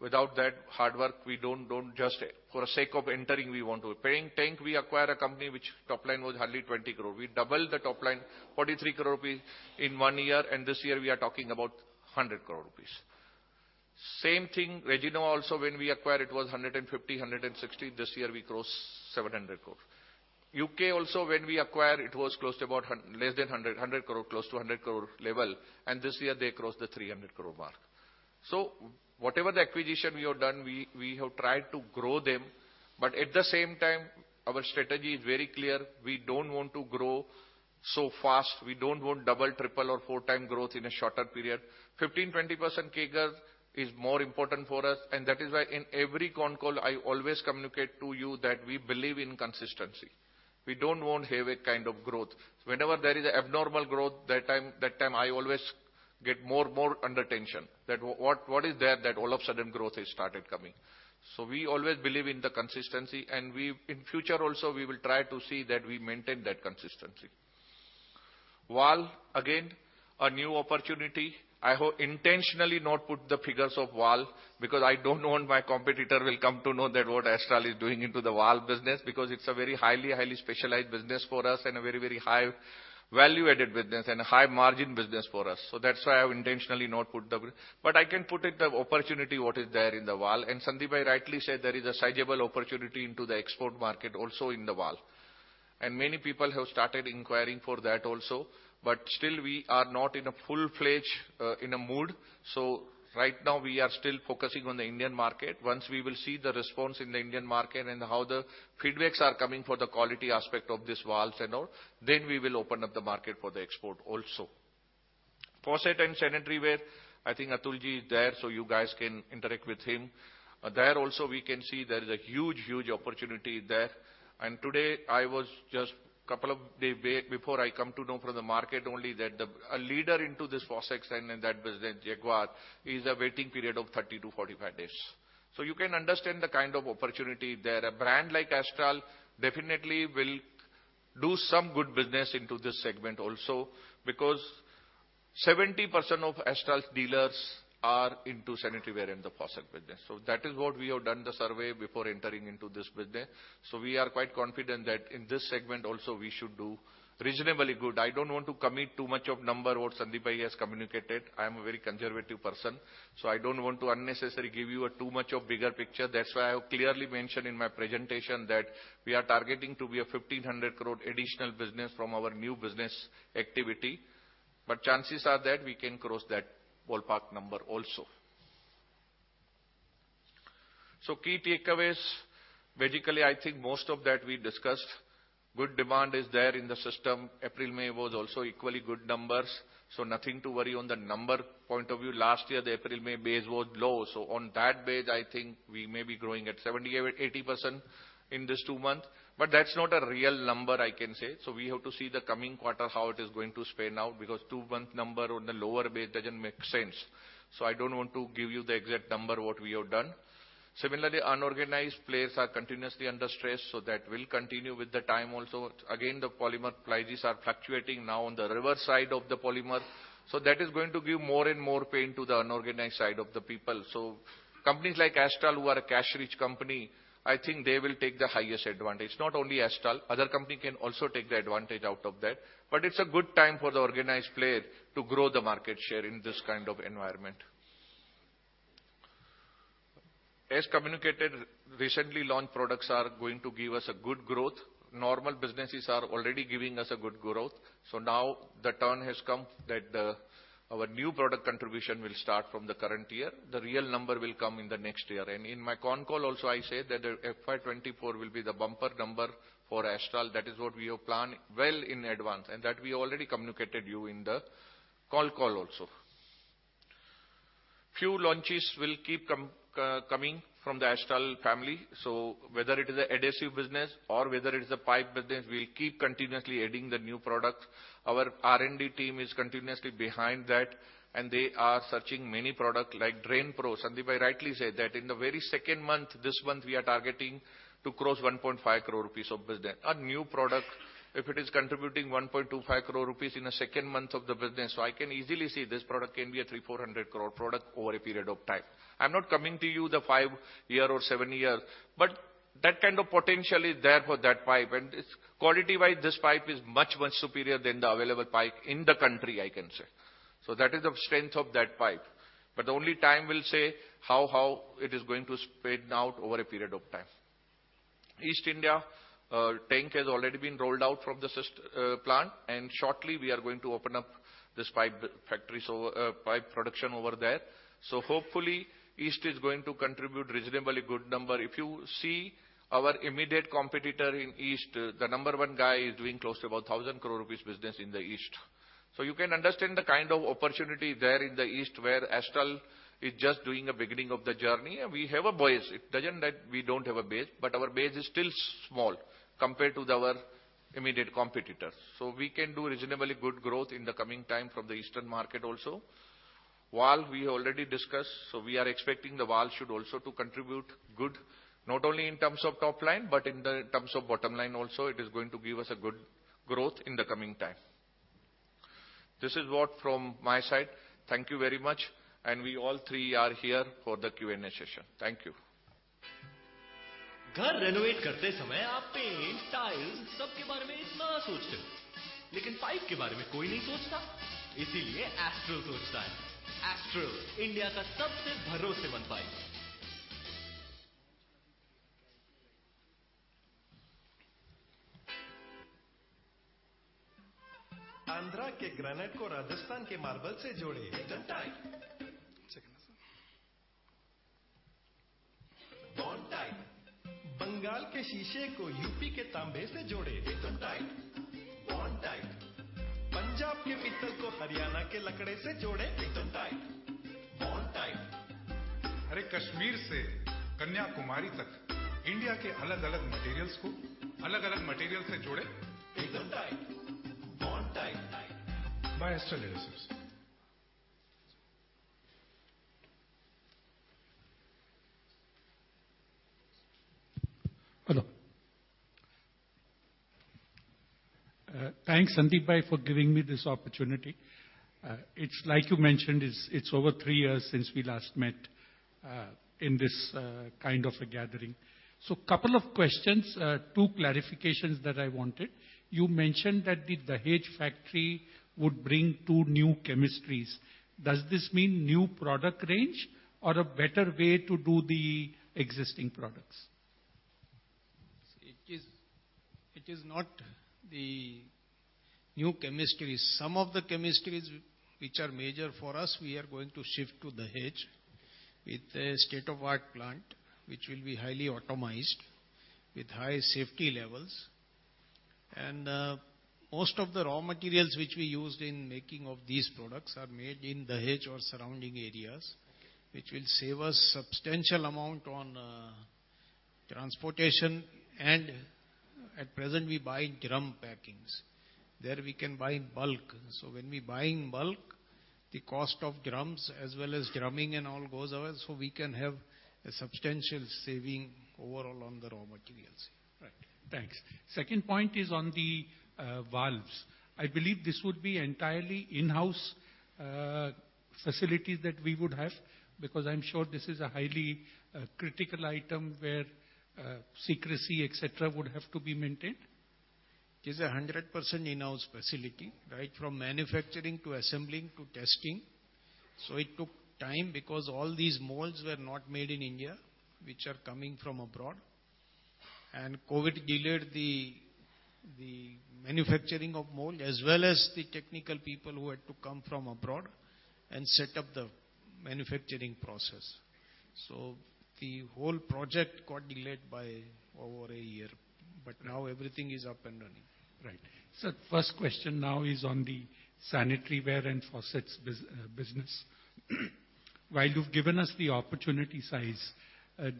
Without that hard work, we don't just for sake of entering we want to. Paints, tank, we acquired a company which top line was hardly 20 crore. We doubled the top line, 43 crore rupees in one year, and this year we are talking about 100 crore rupees. Same thing, Resinova also when we acquired it was 150 crore and 160 crore. This year we crossed 700 crore rupees. U.K. also, when we acquired it was close to about less than 100 crore, close to 100 crore level, and this year they crossed the 300 crore mark. Whatever the acquisition we have done, we have tried to grow them, but at the same time, our strategy is very clear. We don't want to grow so fast. We don't want double, triple or four times growth in a shorter period. 15%-20% CAGR is more important for us, and that is why in every con call, I always communicate to you that we believe in consistency. We don't want to have a kind of growth. Whenever there is abnormal growth, that time I always get more under tension. That's what is there that all of a sudden growth has started coming. We always believe in the consistency and in future also, we will try to see that we maintain that consistency. Valve, again, a new opportunity. I have intentionally not put the figures of valve because I don't want my competitor will come to know that what Astral is doing into the valve business, because it's a very highly specialized business for us and a very high value-added business and a high margin business for us. That's why I've intentionally not put it. I can put the opportunity what is there in the valves. Sandip rightly said there is a sizable opportunity in the export market also in the valves. Many people have started inquiring for that also. We are not in a full-fledged mode. Right now we are still focusing on the Indian market. Once we will see the response in the Indian market and how the feedbacks are coming for the quality aspect of these valves and all, then we will open up the market for the export also. Faucet and sanitary ware, I think Atulji is there, so you guys can interact with him. There also we can see there is a huge, huge opportunity there. Today I was just a couple of days before I come to know from the market only that a leader in this faucets and that business, Jaquar, has a waiting period of 30-45 days. You can understand the kind of opportunity there. A brand like Astral definitely will do some good business in this segment also because 70% of Astral's dealers are into sanitary ware and the faucet business. That is what we have done the survey before entering into this business. We are quite confident that in this segment also we should do reasonably good. I don't want to commit too much of number what Sandeep has communicated. I'm a very conservative person, so I don't want to unnecessarily give you a too much of bigger picture. That's why I have clearly mentioned in my presentation that we are targeting 1,500 crore additional business from our new business activity, but chances are that we can cross that ballpark number also. Key takeaways. Basically, I think most of that we discussed. Good demand is there in the system. April, May was also equally good numbers, so nothing to worry on the number point of view. Last year, the April, May base was low. On that base, I think we may be growing at 70%-80% in this two month. But that's not a real number I can say. We have to see the coming quarter, how it is going to pan out, because two-month number on the lower base doesn't make sense. I don't want to give you the exact number what we have done. Similarly, unorganized players are continuously under stress, so that will continue with the time also. Again, the polymer prices are fluctuating now on the reverse side of the polymer. So that is going to give more and more pain to the unorganized side of the people. So companies like Astral, who are a cash-rich company, I think they will take the highest advantage. Not only Astral, other company can also take the advantage out of that. But it's a good time for the organized player to grow the market share in this kind of environment. As communicated, recently launched products are going to give us a good growth. Normal businesses are already giving us a good growth. So now the turn has come that, our new product contribution will start from the current year. The real number will come in the next year. In my con call also, I said that FY 2024 will be the bumper number for Astral. That is what we have planned well in advance, and that we already communicated you in the call also. Few launches will keep coming from the Astral family. Whether it is a adhesive business or whether it is a pipe business, we'll keep continuously adding the new product. Our R&D team is continuously behind that, and they are searching many product like DrainPro. Sandeep rightly said that in the very second month, this month, we are targeting to cross 1.5 crore rupees of business. A new product, if it is contributing 1.25 crore rupees in the second month of the business, so I can easily say this product can be a 300 crore-400 crore product over a period of time. I'm not committing to the five-year or seven-year, but that kind of potential is there for that pipe. It's, quality-wise, this pipe is much, much superior than the available pipe in the country, I can say. That is the strength of that pipe. Only time will say how it is going to spread out over a period of time. East India tank has already been rolled out from the Santej plant, and shortly we are going to open up this pipe factory, pipe production over there. Hopefully East is going to contribute reasonably good number. If you see our immediate competitor in East, the number one guy is doing close to about 1,000 crore rupees business in the East. You can understand the kind of opportunity there in the East where Astral is just doing a beginning of the journey. We have a base. It doesn't mean that we don't have a base, but our base is still small compared to our immediate competitors. We can do reasonably good growth in the coming time from the eastern market also. Valve we already discussed, so we are expecting the valve should also to contribute good, not only in terms of top line, but in the terms of bottom line also. It is going to give us a good growth in the coming time. This is what from my side, thank you very much. We all three are here for the Q&A session. Thank you. Andhra ke granite ko Rajasthan ke marble se jode. Ekdum tight. Bondtite. Bengal ke sheeshe ko UP ke tambe se jode. Ekdum tight. Bondtite. Punjab ke pittal ko Haryana ke lakdi se jode. Ekdum tight. Bondtite. Arre Kashmir se Kanyakumari tak India ke alag alag materials ko alag alag material se jode. Ekdum tight. Bondtite. By Astral Adhesives. Hello. Thanks, Sandeepbhai, for giving me this opportunity. It's like you mentioned, it's over three years since we last met in this kind of a gathering. Couple of questions, two clarifications that I wanted. You mentioned that the Dahej factory would bring two new chemistries. Does this mean new product range or a better way to do the existing products? It is not the new chemistries. Some of the chemistries which are major for us, we are going to shift to Dahej with a state-of-the-art plant which will be highly automated with high safety levels. Most of the raw materials which we used in making of these products are made in Dahej or surrounding areas, which will save us substantial amount on transportation. At present we buy drum packings. There we can buy in bulk. When we buy in bulk, the cost of drums as well as drumming and all goes away, so we can have a substantial saving overall on the raw materials. Right. Thanks. Second point is on the valves. I believe this would be entirely in-house facility that we would have, because I'm sure this is a highly critical item where secrecy, et cetera, would have to be maintained. It is 100% in-house facility, right from manufacturing to assembling to testing. It took time because all these molds were not made in India, which are coming from abroad. COVID delayed the manufacturing of mold as well as the technical people who had to come from abroad and set up the manufacturing process. The whole project got delayed by over a year. Now everything is up and running. Right. First question now is on the sanitary ware and faucets business. While you've given us the opportunity size,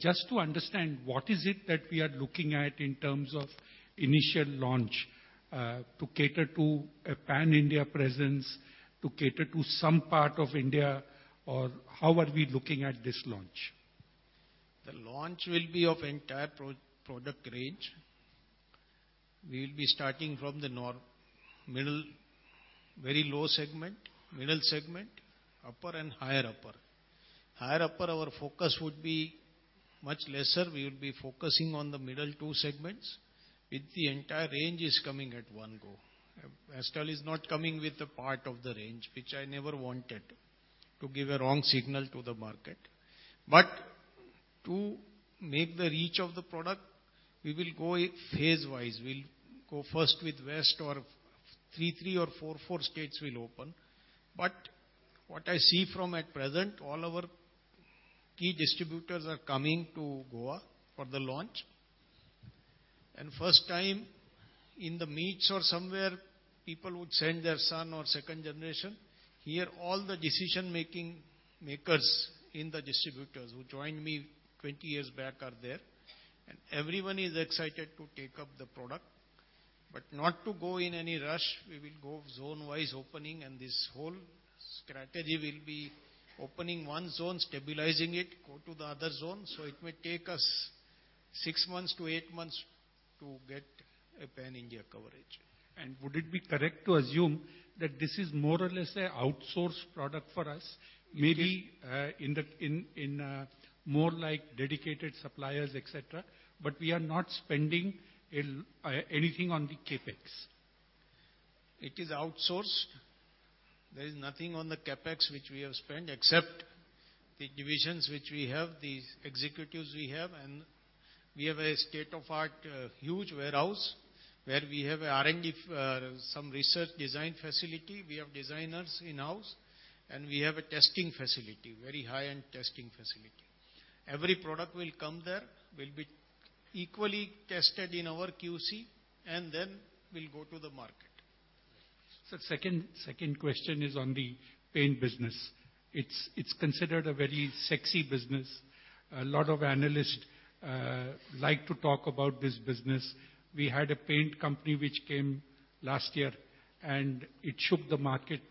just to understand what is it that we are looking at in terms of initial launch, to cater to a pan-India presence, to cater to some part of India, or how are we looking at this launch? The launch will be of entire pro-product range. We'll be starting from the middle, very low segment, middle segment, upper and higher upper. Higher upper, our focus would be much lesser. We would be focusing on the middle two segments with the entire range is coming at one go. Astral is not coming with a part of the range, which I never wanted to give a wrong signal to the market. To make the reach of the product, we will go phase-wise. We'll go first with west or three or four states will open. What I see from at present, all our key distributors are coming to Goa for the launch. First time in the meets or somewhere people would send their son or second generation. Here, all the decision making makers in the distributors who joined me 20 years back are there, and everyone is excited to take up the product. Not to go in any rush, we will go zone-wise opening, and this whole strategy will be opening one zone, stabilizing it, go to the other zone. It may take us six months to eight months to get a pan-India coverage. Would it be correct to assume that this is more or less a outsourced product for us? It is- Maybe in more like dedicated suppliers, et cetera, but we are not spending anything on the CapEx. It is outsourced. There is nothing on the CapEx which we have spent except the divisions which we have, the executives we have, and we have a state-of-the-art, huge warehouse where we have a R&D, some research and development facility. We have designers in-house, and we have a testing facility, very high-end testing facility. Every product will come there, will be equally tested in our QC, and then will go to the market. Sir, second question is on the paint business. It's considered a very sexy business. A lot of analysts like to talk about this business. We had a paint company which came last year and it shook the market.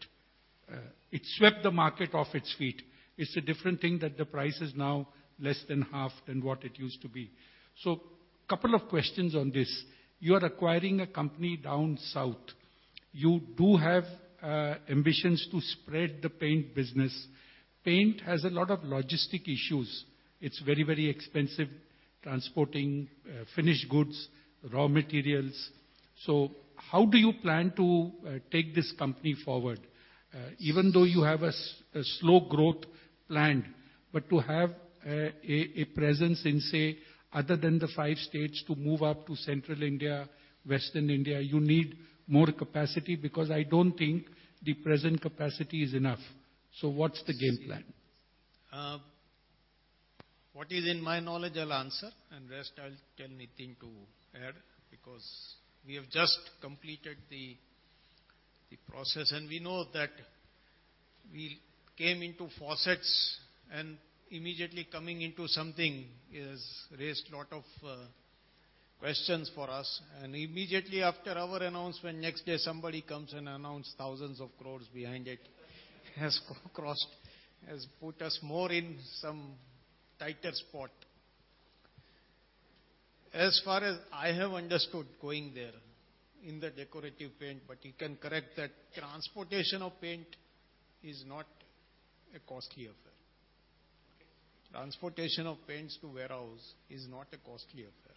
It swept the market off its feet. It's a different thing that the price is now less than half than what it used to be. Couple of questions on this. You are acquiring a company down south. You do have ambitions to spread the paint business. Paint has a lot of logistics issues. It's very, very expensive transporting finished goods, raw materials. How do you plan to take this company forward? Even though you have a slow growth planned, but to have a presence in, say, other than the five states to move up to Central India, Western India, you need more capacity because I don't think the present capacity is enough. What's the game plan? What is in my knowledge I'll answer, and rest I'll tell Nitin to add, because we have just completed the process. We know that we came into faucets and immediately coming into something has raised a lot of questions for us. Immediately after our announcement, next day somebody comes and announce thousands of crores behind it has crossed, has put us more in some tighter spot. As far as I have understood going there in the decorative paint, but you can correct that transportation of paint is not a costly affair. Transportation of paints to warehouse is not a costly affair.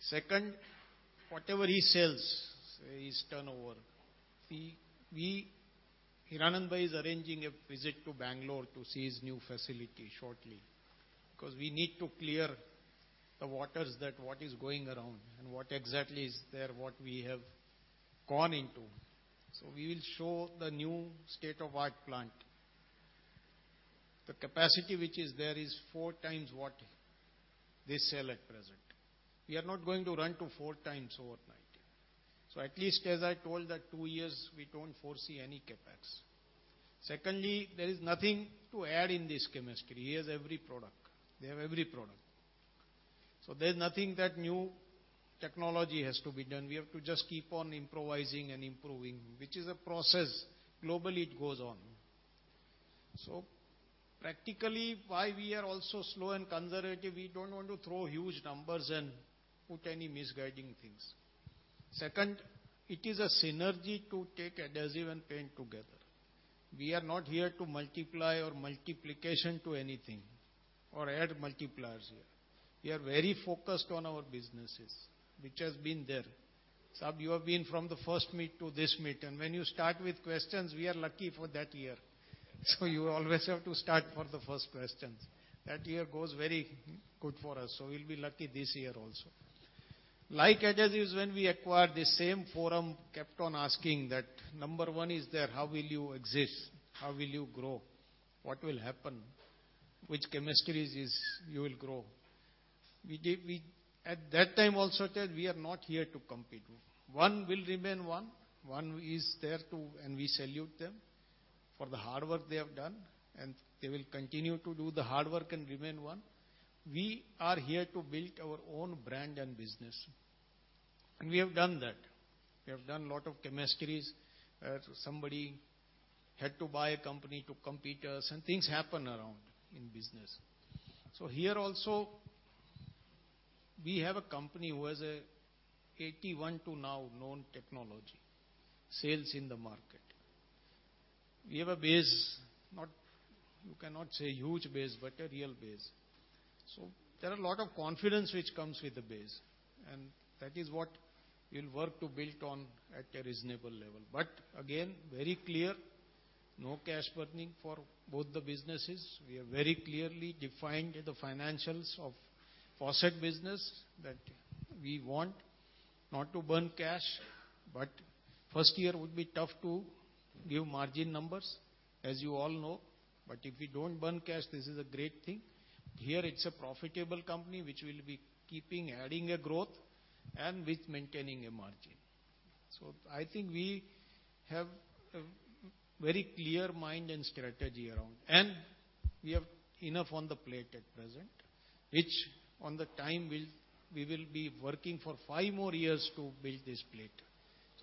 Second, whatever he sells is turnover. We Hiranandani is arranging a visit to Bangalore to see his new facility shortly, because we need to clear the waters that what is going around and what exactly is there, what we have gone into. We will show the new state-of-the-art plant. The capacity which is there is four times what they sell at present. We are not going to run to four times overnight. At least as I told that two years we don't foresee any CapEx. Secondly, there is nothing to add in this chemistry. He has every product. They have every product. There's nothing that new technology has to be done. We have to just keep on improvising and improving, which is a process. Globally, it goes on. Practically, why we are also slow and conservative, we don't want to throw huge numbers and put any misleading things. Second, it is a synergy to take adhesive and paint together. We are not here to multiply or multiplication to anything or add multipliers here. We are very focused on our businesses, which has been there. You have been from the first meet to this meet, and when you start with questions we are lucky for that year. You always have to start for the first questions. That year goes very good for us, so we'll be lucky this year also. Like adhesives, when we acquired this same forum kept on asking that number one is there, how will you exist? How will you grow? What will happen? Which chemistries is you will grow? We at that time also said we are not here to compete. One will remain one. One is there to, and we salute them for the hard work they have done, and they will continue to do the hard work and remain one. We are here to build our own brand and business, and we have done that. We have done lot of chemistries. Somebody had to buy a company to compete with us and things happen all around in business. Here also we have a company who has a 81 to now known technology sales in the market. We have a base, you cannot say huge base, but a real base. There are a lot of confidence which comes with the base, and that is what we'll work to build on at a reasonable level. Again, very clear, no cash burning for both the businesses. We have very clearly defined the financials of faucet business that we want not to burn cash, but first year would be tough to give margin numbers, as you all know. If we don't burn cash, this is a great thing. Here it's a profitable company which will be keeping adding a growth and with maintaining a margin. I think we have a very clear mind and strategy around, and we have enough on the plate at present. We will be working for five more years to build this plate.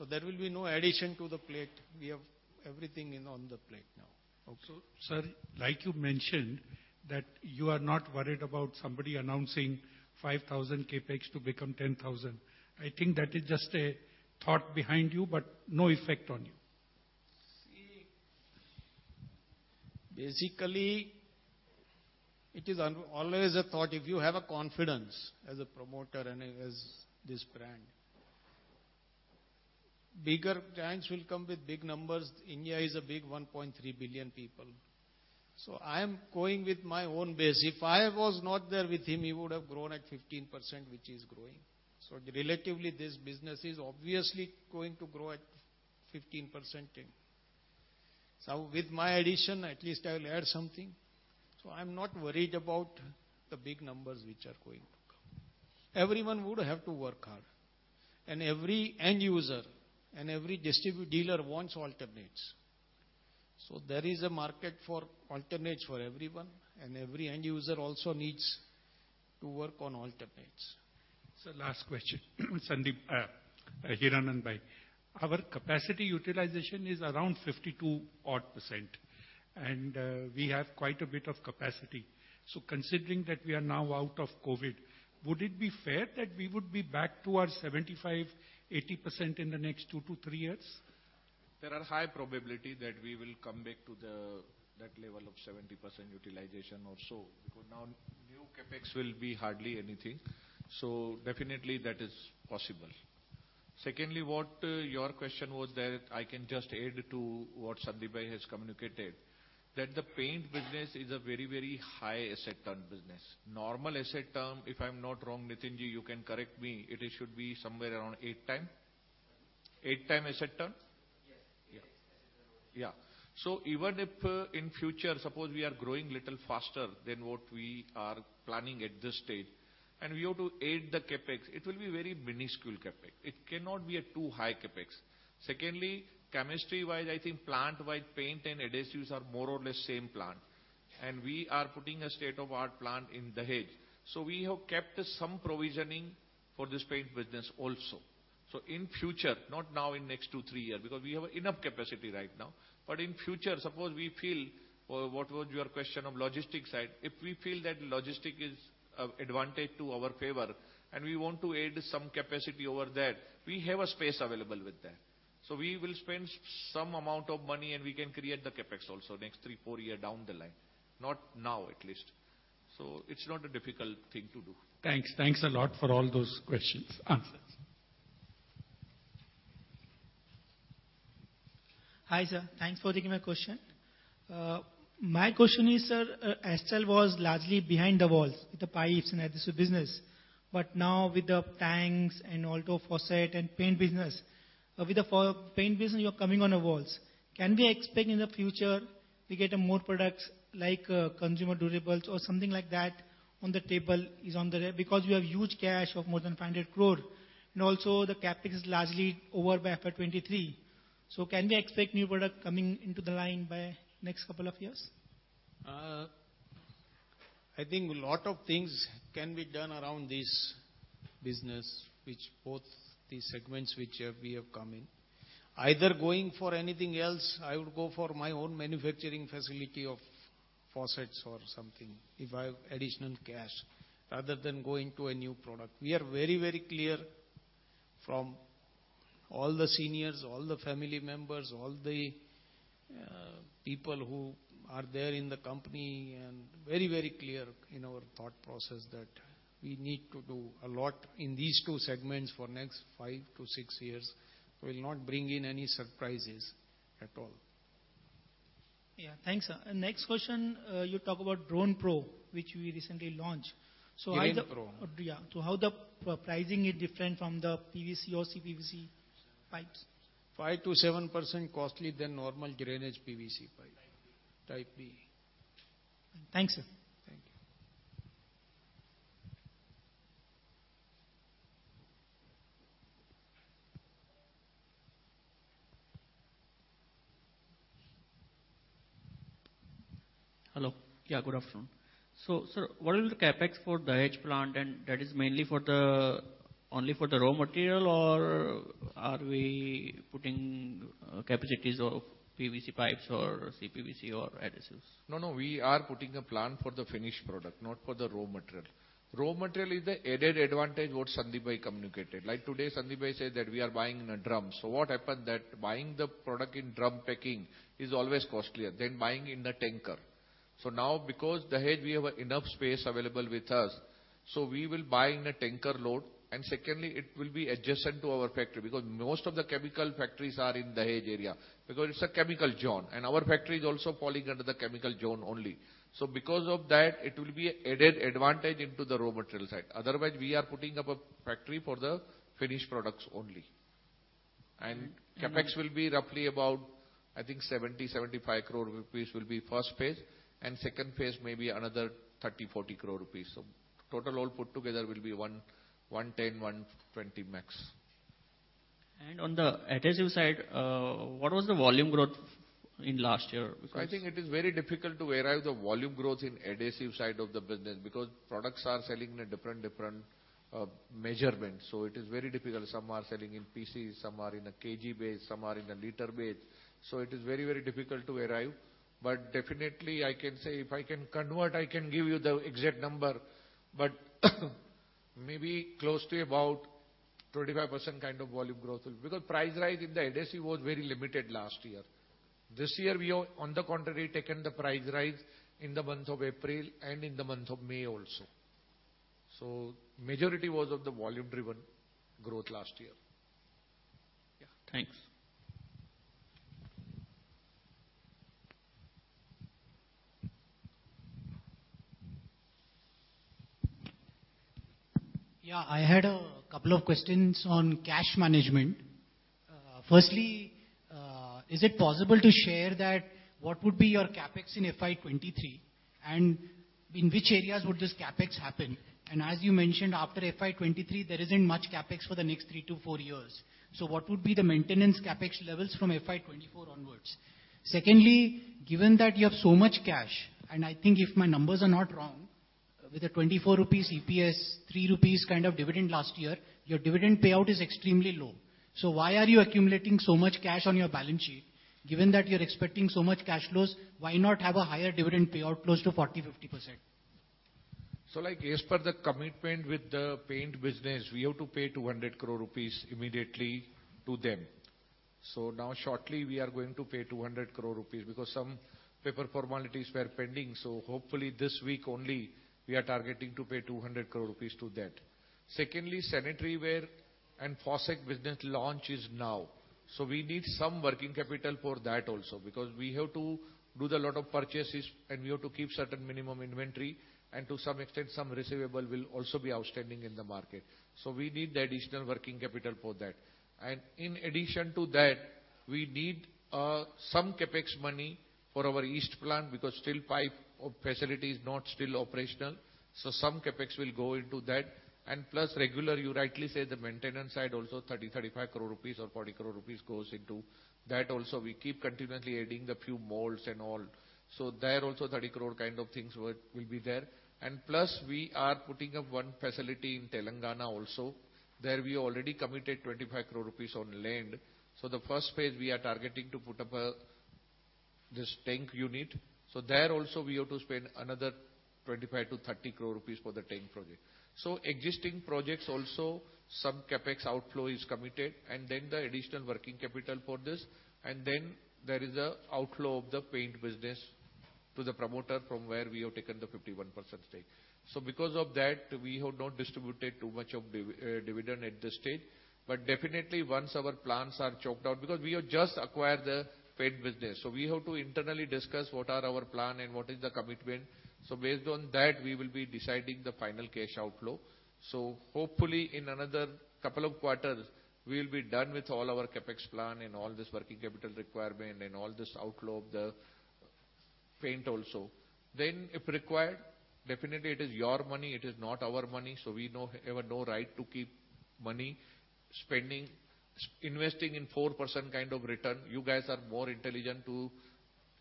There will be no addition to the plate. We have everything on the plate now. Okay. Sir, like you mentioned that you are not worried about somebody announcing 5,000 crore CapEx to become 10,000 crore. I think that is just a thought behind you, but no effect on you. Basically, it is always a thought, if you have a confidence as a promoter and as this brand. Bigger brands will come with big numbers. India is a big 1.3 billion people. I am going with my own base. If I was not there with him, he would have grown at 15%, which he's growing. Relatively, this business is obviously going to grow at 15% anyway. With my addition, at least I'll add something. I'm not worried about the big numbers which are going to come. Everyone would have to work hard, and every end user and every dealer wants alternates. There is a market for alternates for everyone, and every end user also needs to work on alternates. Sir, last question. Sandeep, Hiranandbhai. Our capacity utilization is around 52-odd percent, and we have quite a bit of capacity. Considering that we are now out of COVID, would it be fair that we would be back to our 75%-80% in the next two to three years? There are high probability that we will come back to that level of 70% utilization or so, because now new CapEx will be hardly anything. Definitely that is possible. Secondly, what your question was that I can just add to what Sandeepbhai has communicated, that the paint business is a very, very high asset turn business. Normal asset turn, if I'm not wrong, Nitinji, you can correct me, it should be somewhere around 8x. 8x asset turn? Yes. Yeah. Even if in future, suppose we are growing a little faster than what we are planning at this stage, and we have to add the CapEx, it will be very minuscule CapEx. It cannot be too high CapEx. Secondly, chemistry-wise, I think plant-wide, paint and adhesives are more or less the same plant, and we are putting a state-of-the-art plant in Dahej. We have kept some provisioning for this paint business also. In future, not now in next two, three years, because we have enough capacity right now. In future, suppose we feel, what was your question on logistics side? If we feel that logistics is an advantage to our favor and we want to add some capacity over there, we have space available with that. We will spend some amount of money and we can create the CapEx also next three, four years down the line. Not now, at least. It's not a difficult thing to do. Thanks. Thanks a lot for all those questions, answers. Hi, sir. Thanks for taking my question. My question is, sir, Astral was largely behind the walls with the pipes and adhesive business. Now with the tanks and also faucet and paint business, with the paint business, you're coming on the walls. Can we expect in the future we get a more products like, consumer durables or something like that on the table? Because you have huge cash of more than 500 crore, and also the CapEx is largely over by FY 2023. Can we expect new product coming into the line by next couple of years? I think a lot of things can be done around this business, which both these segments we have come in. Either going for anything else, I would go for my own manufacturing facility of faucets or something if I have additional cash, rather than going to a new product. We are very, very clear from all the seniors, all the family members, all the people who are there in the company and very, very clear in our thought process that we need to do a lot in these two segments for next five to six years. We'll not bring in any surprises at all. Yeah. Thanks, sir. Next question, you talk about DrainPro, which we recently launched. How the- DrainPro. Yeah. How is the pricing different from the PVC or CPVC pipes? 5%-7% costlier than normal drainage PVC pipe. Type B. Type B. Thanks, sir. Thank you. Hello. Yeah, good afternoon. Sir, what will the CapEx for Dahej plant and that is mainly for the, only for the raw material or are we putting capacities of PVC pipes or CPVC or adhesives? No, no. We are putting a plant for the finished product, not for the raw material. Raw material is the added advantage what Sandeepbhai communicated. Like today, Sandeepbhai said that we are buying in a drum. What happened that buying the product in drum packing is always costlier than buying in a tanker. Now because Dahej we have enough space available with us, so we will buy in a tanker load. Secondly, it will be adjacent to our factory because most of the chemical factories are in Dahej area because it's a chemical zone, and our factory is also falling under the chemical zone only. Because of that, it will be added advantage into the raw material side. Otherwise, we are putting up a factory for the finished products only. CapEx will be roughly about, I think 70 crore-75 crore rupees for the first phase, and second phase may be another 30 crore-40 crore rupees. Total all put together will be 110 crore-120 crore max. On the adhesive side, what was the volume growth in last year? Because I think it is very difficult to arrive the volume growth in adhesive side of the business because products are selling in a different measurement. It is very difficult. Some are selling in PCs, some are in a kg base, some are in a liter base. It is very, very difficult to arrive. Definitely I can say if I can convert, I can give you the exact number. Maybe close to about 25% kind of volume growth. Because price rise in the adhesives was very limited last year. This year, we have on the contrary taken the price rise in the month of April and in the month of May also. Majority was of the volume driven growth last year. Yeah. Thanks. Yeah. I had a couple of questions on cash management. Firstly, is it possible to share that what would be your CapEx in FY 2023, and in which areas would this CapEx happen? As you mentioned, after FY 2023, there isn't much CapEx for the next three to four years. What would be the maintenance CapEx levels from FY 2024 onwards? Secondly, given that you have so much cash, and I think if my numbers are not wrong, with a 24 rupees EPS, 3 rupees kind of dividend last year, your dividend payout is extremely low. Why are you accumulating so much cash on your balance sheet? Given that you're expecting so much cash flows, why not have a higher dividend payout close to 40%-50%? Like, as per the commitment with the paint business, we have to pay 200 crore rupees immediately to them. Now shortly we are going to pay 200 crore rupees because some paper formalities were pending. Hopefully this week only we are targeting to pay 200 crore rupees to that. Secondly, sanitary ware and faucet business launch is now. We need some working capital for that also because we have to do the lot of purchases and we have to keep certain minimum inventory, and to some extent, some receivable will also be outstanding in the market. We need the additional working capital for that. In addition to that, we need some CapEx money for our East plant because steel pipe facility is not still operational. Some CapEx will go into that. Plus regular, you rightly said, the maintenance side also, 30 crore-35 crore rupees or 40 crore rupees goes into that also. We keep continually adding the few molds and all. There also 30 crore kind of things will be there. Plus we are putting up one facility in Telangana also. There we already committed 25 crore rupees on land. The first phase we are targeting to put up this tank unit. There also we have to spend another 25 crore-30 crore rupees for the tank project. Existing projects also some CapEx outflow is committed and then the additional working capital for this. Then there is an outflow of the paint business to the promoter from where we have taken the 51% stake. Because of that we have not distributed too much of dividend at this stage. Definitely once our plans are chalked out, because we have just acquired the paint business, so we have to internally discuss what are our plan and what is the commitment. Based on that we will be deciding the final cash outflow. Hopefully in another couple of quarters we'll be done with all our CapEx plan and all this working capital requirement and all this outflow of the paint also. If required, definitely it is your money, it is not our money, so we have no right to keep money spending, investing in 4% kind of return. You guys are more intelligent to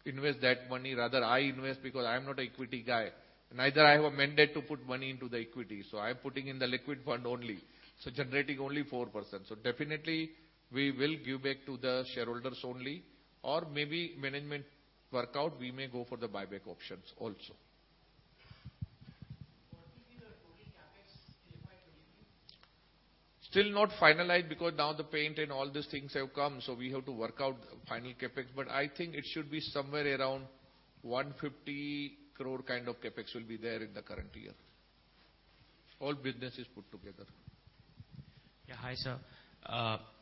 invest that money, rather I invest because I'm not an equity guy. Neither I have a mandate to put money into the equity. I'm putting in the liquid fund only, so generating only 4%. Definitely we will give back to the shareholders only or maybe management work out, we may go for the buyback options also. What will be the total CapEx in FY 2023? Still not finalized because now the paint and all these things have come, so we have to work out final CapEx. I think it should be somewhere around 150 crore kind of CapEx will be there in the current year. All businesses put together. Yeah. Hi, sir.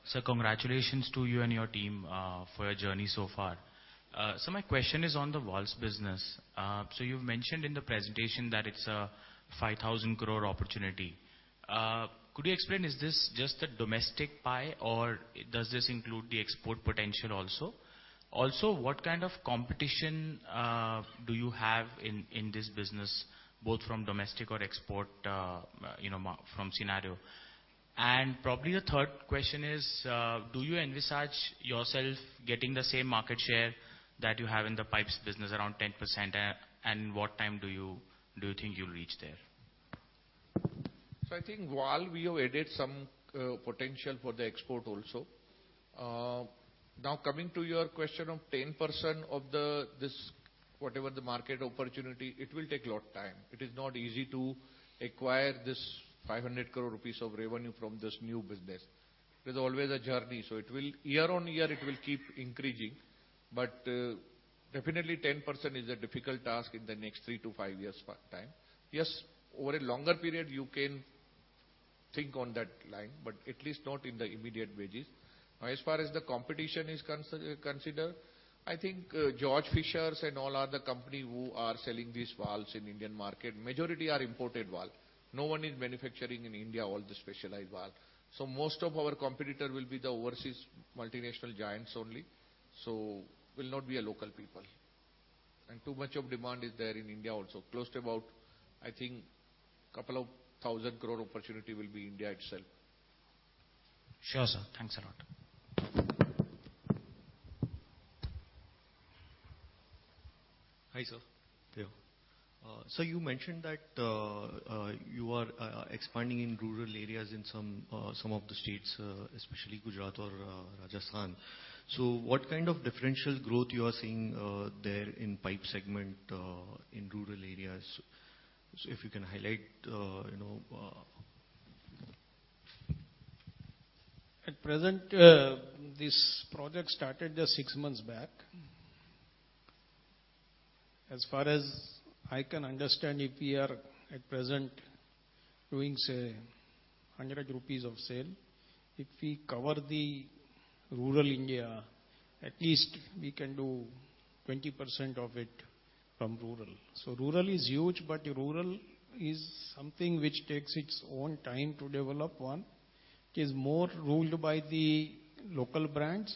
Sir, congratulations to you and your team for your journey so far. So my question is on the valves business. So you've mentioned in the presentation that it's a 5,000 crore opportunity. Could you explain, is this just a domestic pie or does this include the export potential also? Also, what kind of competition do you have in this business, both from domestic or export, you know, market scenario? And probably the third question is, do you envisage yourself getting the same market share that you have in the pipes business around 10%, and what time do you think you'll reach there? I think valves we have added some potential for the export also. Now coming to your question of 10% of the, whatever the market opportunity, it will take a lot of time. It is not easy to acquire this 500 crore rupees of revenue from this new business. There's always a journey. It will year-on-year keep increasing. But definitely 10% is a difficult task in the next three to five years time. Yes, over a longer period you can think on that line, but at least not in the immediate phases. Now, as far as the competition is considered, I think Georg Fischer and all other companies who are selling these valves in Indian market, majority are imported valves. No one is manufacturing in India all the specialized valves. Most of our competitor will be the overseas multinational giants only, so will not be a local people. Too much of demand is there in India also. Close to about, I think 2,000 crore opportunity will be India itself. Sure, sir. Thanks a lot. Hi, sir. Theo. Sir, you mentioned that you are expanding in rural areas in some of the states, especially Gujarat or Rajasthan. What kind of differential growth you are seeing there in pipe segment in rural areas? If you can highlight, you know At present, this project started just six months back. As far as I can understand, if we are at present doing, say, 100 rupees of sale, if we cover the rural India, at least we can do 20% of it from rural. Rural is huge, but rural is something which takes its own time to develop. One, it is more ruled by the local brands.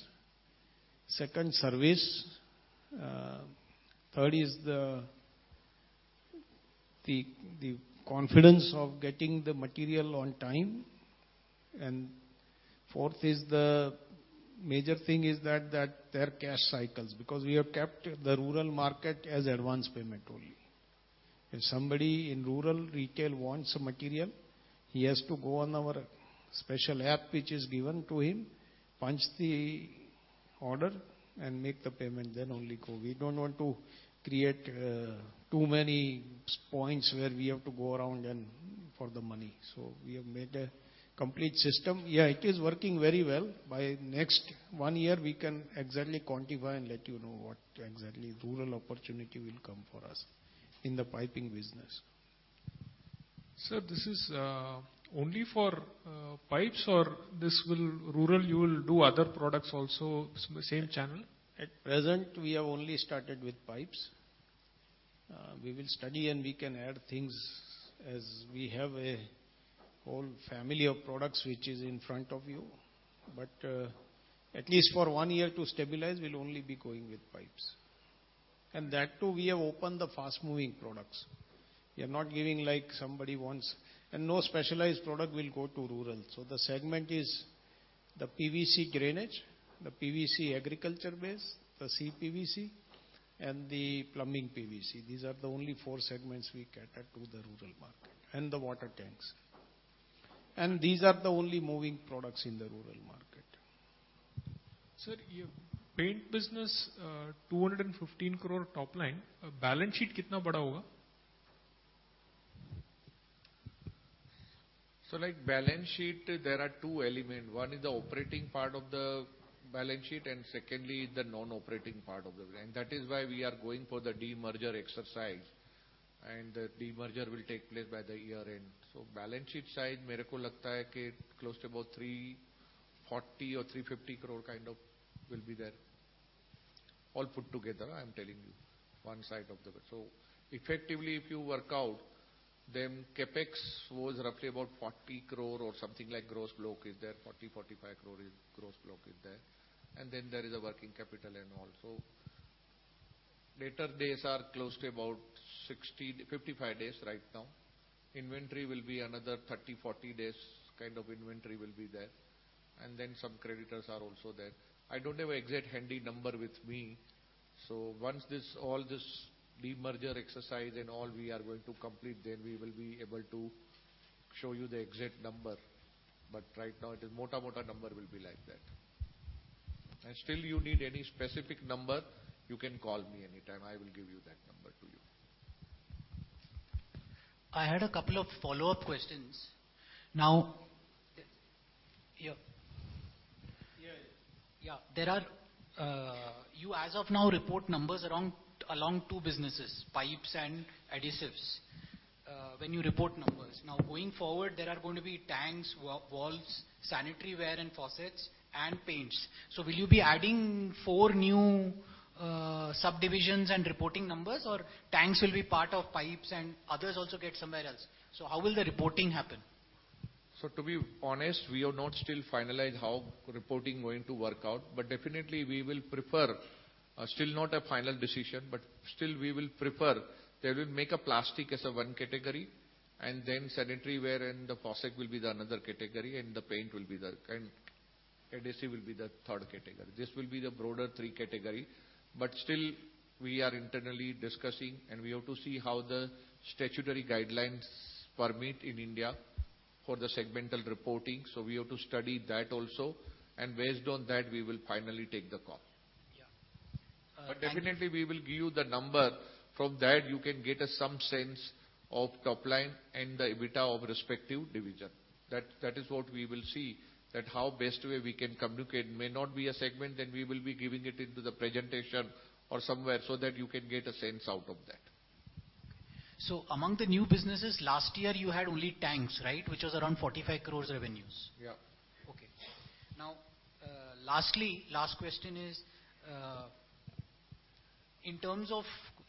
Second, service. Third is the confidence of getting the material on time. Fourth is the major thing is that their cash cycles, because we have kept the rural market as advance payment only. If somebody in rural retail wants a material, he has to go on our special app which is given to him, punch the order and make the payment, then only go. We don't want to create too many touchpoints where we have to go around and for the money. We have made a complete system. Yeah, it is working very well. By next one year, we can exactly quantify and let you know what exactly rural opportunity will come for us in the piping business. Sir, this is only for pipes or this will rural, you will do other products also same channel? At present, we have only started with pipes. We will study and we can add things as we have a whole family of products which is in front of you. At least for one year to stabilize, we'll only be going with pipes. That too, we have opened the fast moving products. We are not giving like somebody wants. No specialized product will go to rural. The segment is the PVC drainage, the PVC agriculture base, the CPVC and the plumbing PVC. These are the only four segments we cater to the rural market, and the water tanks. These are the only moving products in the rural market. Sir, your paint business, 215 crore top line, balance sheet kitna bada hoga? Like balance sheet, there are two elements. One is the operating part of the balance sheet, and secondly, the non-operating part of the balance sheet. That is why we are going for the demerger exercise, and the demerger will take place by the year-end. Balance sheet side mere ko lagta hai ki close to about 340-350 crore kind of will be there. All put together, I'm telling you one side. Effectively, if you work out, CapEx was roughly about 40 crore or something like gross block is there, 40 crore-45 crore is gross block is there. There is a working capital and also debtor days are close to about 55 days right now. Inventory will be another 30, 40 days kind of inventory will be there. Some creditors are also there. I don't have exact handy number with me, so once this, all this demerger exercise and all we are going to complete, then we will be able to show you the exact number. Right now it is mota mota number will be like that. Still you need any specific number, you can call me anytime. I will give you that number to you. I had a couple of follow-up questions. Yeah. Yeah. There are. You as of now report numbers around two businesses, pipes and adhesives, when you report numbers. Now, going forward, there are going to be tanks, valves, sanitary ware and faucets, and paints. Will you be adding four new subdivisions and reporting numbers, or tanks will be part of pipes and others also get somewhere else? How will the reporting happen? To be honest, we have not still finalized how reporting going to work out. Definitely we will prefer, still not a final decision, but still we will prefer that we make a plastic as a one category and then sanitary ware and the faucet will be the another category and the paint will be the, and adhesive will be the third category. This will be the broader three category. Still we are internally discussing and we have to see how the statutory guidelines permit in India for the segmental reporting. We have to study that also. Based on that we will finally take the call. Yeah. Definitely we will give you the number. From that you can get some sense of top line and the EBITDA of respective division. That is what we will see, that how best way we can communicate. May not be a segment, then we will be giving it into the presentation or somewhere so that you can get a sense out of that. Among the new businesses, last year you had only tanks, right? Which was around 45 crore revenues. Yeah. Okay. Now, lastly, last question is, in terms of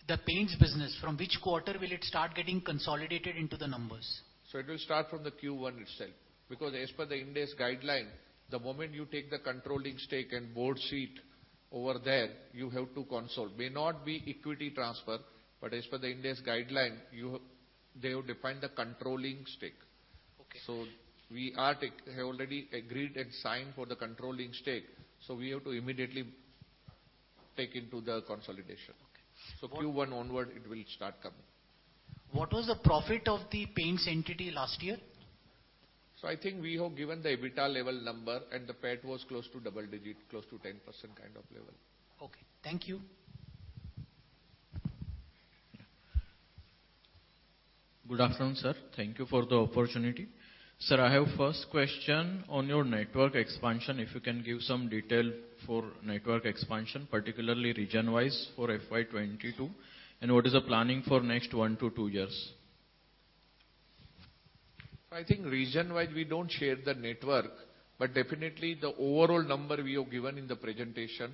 the paints business, from which quarter will it start getting consolidated into the numbers? It will start from the Q1 itself. Because as per the Ind AS guideline, the moment you take the controlling stake and board seat over there, you have to consolidate. May not be equity transfer, but as per the Ind AS guideline, they have defined the controlling stake. Okay. We have already agreed and signed for the controlling stake, so we have to immediately take into the consolidation. Okay. Q1 onward it will start coming. What was the profit of the paints entity last year? I think we have given the EBITDA level number, and the PAT was close to double-digit, close to 10% kind of level. Okay. Thank you. Good afternoon, sir. Thank you for the opportunity. Sir, I have first question on your network expansion. If you can give some detail for network expansion, particularly region-wise for FY 2022, and what is the planning for next one to two years? I think region-wise, we don't share the network, but definitely the overall number we have given in the presentation.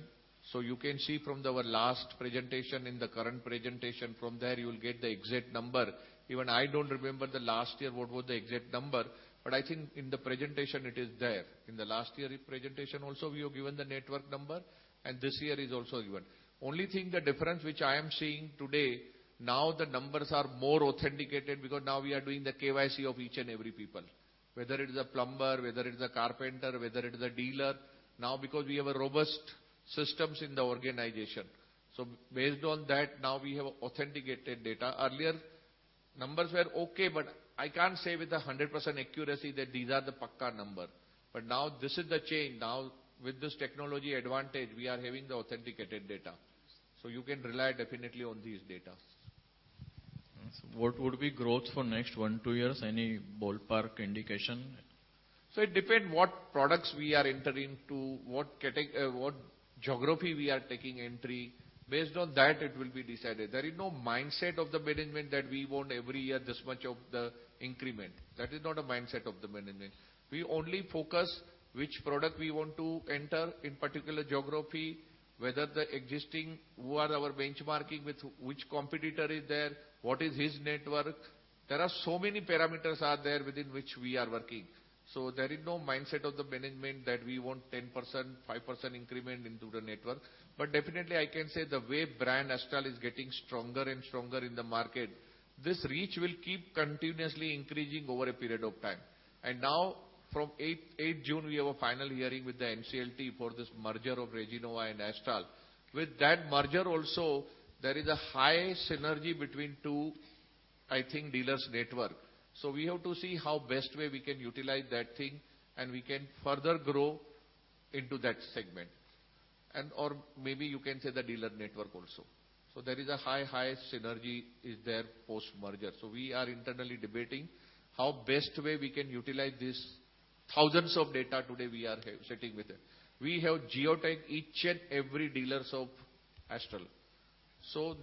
You can see from our last presentation, in the current presentation, from there you will get the exact number. Even I don't remember the last year what was the exact number, but I think in the presentation it is there. In the last year presentation also, we have given the network number, and this year is also given. Only thing, the difference which I am seeing today, now the numbers are more authenticated because now we are doing the KYC of each and every people, whether it is a plumber, whether it is a carpenter, whether it is a dealer. Now because we have a robust systems in the organization. Based on that, now we have authenticated data. Earlier numbers were okay, but I can't say with 100% accuracy that these are the pakka number. Now this is the change. Now with this technology advantage, we are having the authenticated data. You can rely definitely on these data. What would be growth for next one to two years? Any ballpark indication? It depends what products we are entering into, what geography we are taking entry. Based on that, it will be decided. There is no mindset of the management that we want every year this much of the increment. That is not a mindset of the management. We only focus which product we want to enter in particular geography, whether the existing, who are our benchmarking with, which competitor is there, what is his network. There are so many parameters within which we are working. There is no mindset of the management that we want 10%, 5% increment into the network. But definitely I can say the way brand Astral is getting stronger and stronger in the market, this reach will keep continuously increasing over a period of time. Now from 8 June, we have a final hearing with the NCLT for this merger of Resinova and Astral. With that merger also, there is a high synergy between two, I think, dealers network. We have to see how best way we can utilize that thing and we can further grow into that segment and/or maybe you can say the dealer network also. There is a high synergy is there post-merger. We are internally debating how best way we can utilize this thousands of data today we are sitting with it. We have geo-tagged each and every dealers of Astral.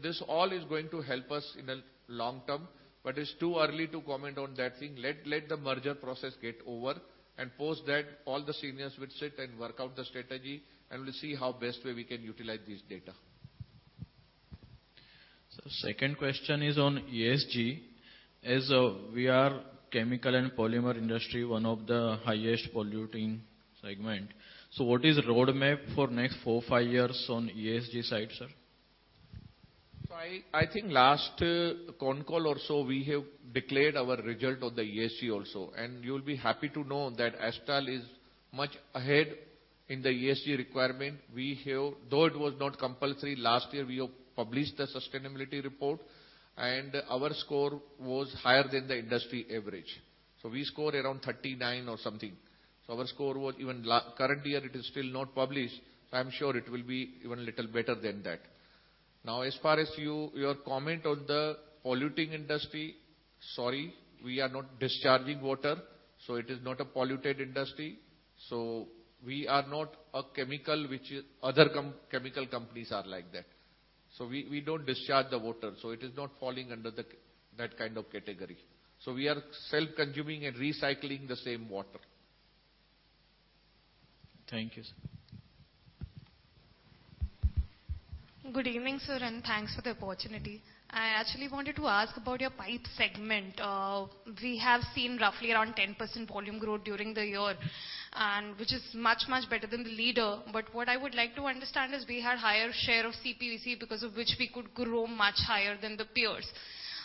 This all is going to help us in the long term, but it's too early to comment on that thing. Let the merger process get over, and post that all the seniors will sit and work out the strategy and we'll see how best way we can utilize this data. Second question is on ESG. As we are chemical and polymer industry, one of the highest polluting segment. What is roadmap for next four, five years on ESG side, sir? I think last con call also we have declared our result of the ESG also, and you'll be happy to know that Astral is much ahead in the ESG requirement. Though it was not compulsory last year, we have published the sustainability report and our score was higher than the industry average. We scored around 39 or something. Our score was even currently it is still not published. I'm sure it will be even a little better than that. Now, as far as your comment on the polluting industry, sorry, we are not discharging water, so it is not a polluted industry. We are not a chemical which other chemical companies are like that. We don't discharge the water, so it is not falling under that kind of category. We are self-consuming and recycling the same water. Thank you, sir. Good evening, sir, and thanks for the opportunity. I actually wanted to ask about your pipe segment. We have seen roughly around 10% volume growth during the year and which is much, much better than the leader. What I would like to understand is we had higher share of CPVC because of which we could grow much higher than the peers.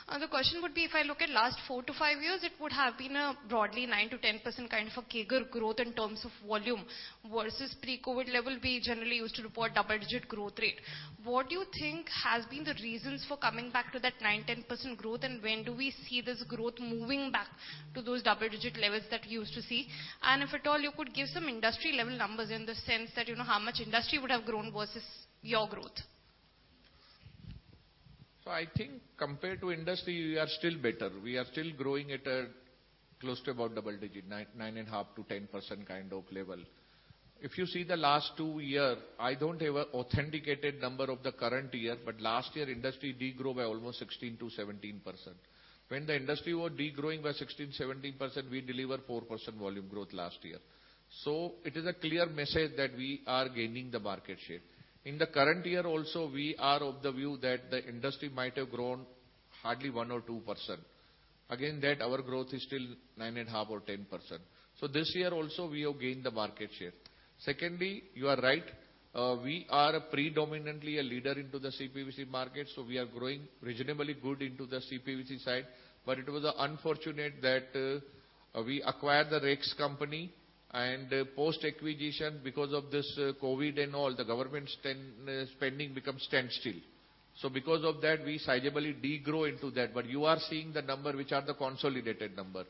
The question would be, if I look at last four to five years, it would have been a broadly 9%-10% kind of a CAGR growth in terms of volume versus pre-COVID level, we generally used to report double-digit growth rate. What do you think has been the reasons for coming back to that 9%-10% growth? When do we see this growth moving back to those double-digit levels that we used to see? If at all you could give some industry level numbers in the sense that, you know, how much industry would have grown versus your growth? I think compared to industry, we are still better. We are still growing at close to about double-digit, 9.5%-10% kind of level. If you see the last two years, I don't have an authenticated number of the current year, but last year industry de-grew by almost 16%-17%. When the industry was de-growing by 16%, 17%, we delivered 4% volume growth last year. It is a clear message that we are gaining the market share. In the current year also, we are of the view that the industry might have grown hardly 1% or 2%. Again, than our growth is still 9.5% or 10%. This year also we have gained the market share. Secondly, you are right, we are predominantly a leader into the CPVC market, so we are growing reasonably good into the CPVC side. It was unfortunate that, we acquired the Rex company and post-acquisition because of this COVID and all, the government spending become standstill. Because of that, we sizably degrow into that. You are seeing the number which are the consolidated number.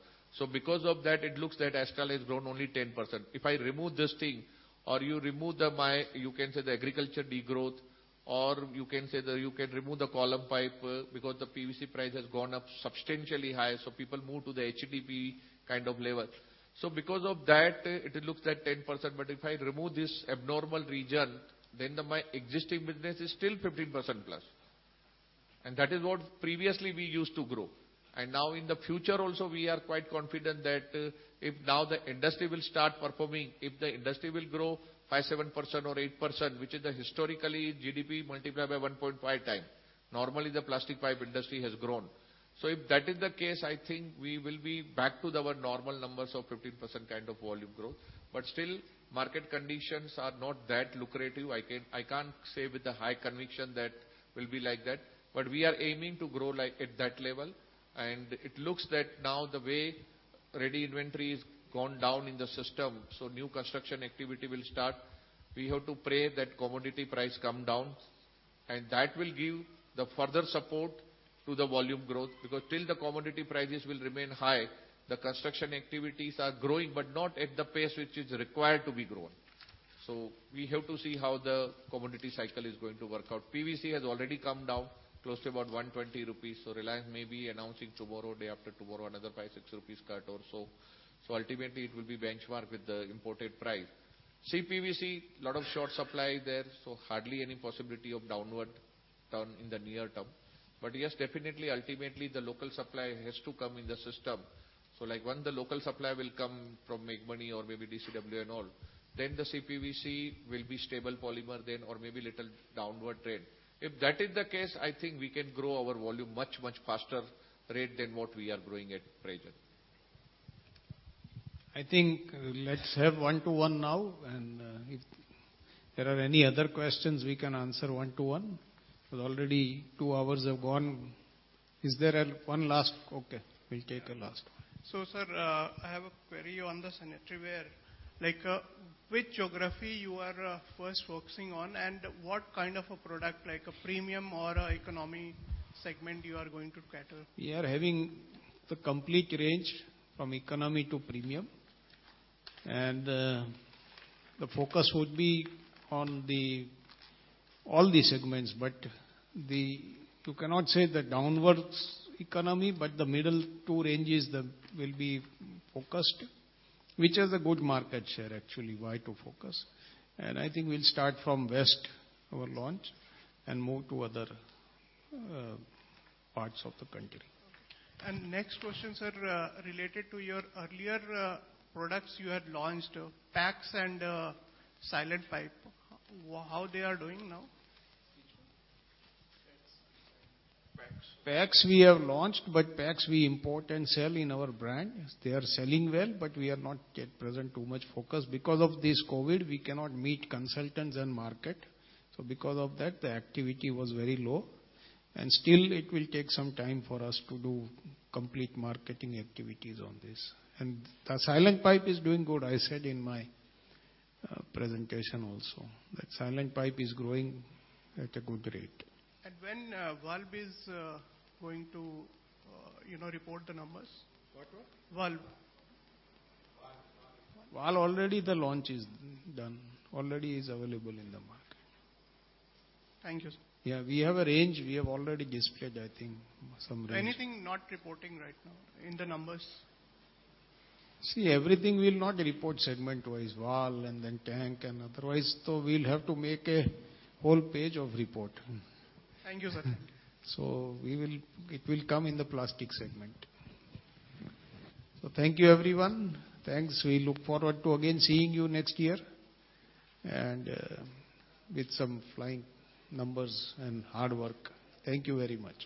Because of that, it looks that Astral has grown only 10%. If I remove this thing or you remove the, you can say the agriculture degrowth, or you can say the, you can remove the column pipe because the PVC price has gone up substantially high, so people move to the HDPE kind of level. Because of that, it looks like 10%. If I remove this abnormal region, then my existing business is still 15%+. That is what previously we used to grow. Now in the future also, we are quite confident that if now the industry will start performing, if the industry will grow 5%, 7% or 8%, which is the historical GDP multiplied by 1.5x. Normally, the plastic pipe industry has grown. If that is the case, I think we will be back to our normal numbers of 15% kind of volume growth. Still, market conditions are not that lucrative. I can't say with a high conviction that will be like that, but we are aiming to grow like at that level. It looks that now the way ready inventory has gone down in the system, new construction activity will start. We have to pray that commodity price come down, and that will give the further support to the volume growth. Till the commodity prices will remain high, the construction activities are growing, but not at the pace which is required to be grown. We have to see how the commodity cycle is going to work out. PVC has already come down close to about 120 rupees. Reliance may be announcing tomorrow, day after tomorrow, another 5-6 rupees cut or so. Ultimately it will be benchmarked with the imported price. CPVC, lot of short supply there, so hardly any possibility of downward turn in the near term. Yes, definitely, ultimately, the local supply has to come in the system. Like when the local supply will come from Meghmani or maybe DCW and all, then the CPVC will be stable polymer then or maybe little downward trend. If that is the case, I think we can grow our volume much, much faster rate than what we are growing at present. I think let's have one to one now and, if there are any other questions we can answer one to one. Already two hours have gone. Okay, we'll take a last one. Sir, I have a query on the sanitaryware. Like, which geography you are first focusing on and what kind of a product, like a premium or economy segment you are going to cater? We are having the complete range from economy to premium. The focus would be on all the segments, but you cannot say the downward economy, but the middle two ranges will be focused, which has a good market share actually, why to focus. I think we'll start from West our launch and move to other parts of the country. Okay. Next question, sir, related to your earlier products you had launched, PEX and silent pipe. How they are doing now? Which one? PEX. PEX we have launched, but PEX we import and sell in our brand. They are selling well, but we are not at present too much focused. Because of this COVID, we cannot meet consultants and market. Because of that, the activity was very low. Still it will take some time for us to do complete marketing activities on this. The silent pipe is doing good. I said in my presentation also that silent pipe is growing at a good rate. When valve is going to, you know, report the numbers? What? Valve. Valve. Valve already the launch is done. Already is available in the market. Thank you, sir. Yeah, we have a range. We have already displayed, I think some range. Anything not reporting right now in the numbers? See, everything will not report segment-wise. Valves and then tanks and otherwise, so we'll have to make a whole page of report. Thank you, sir. It will come in the plastic segment. Thank you everyone. Thanks. We look forward to again seeing you next year and with some flying numbers and hard work. Thank you very much.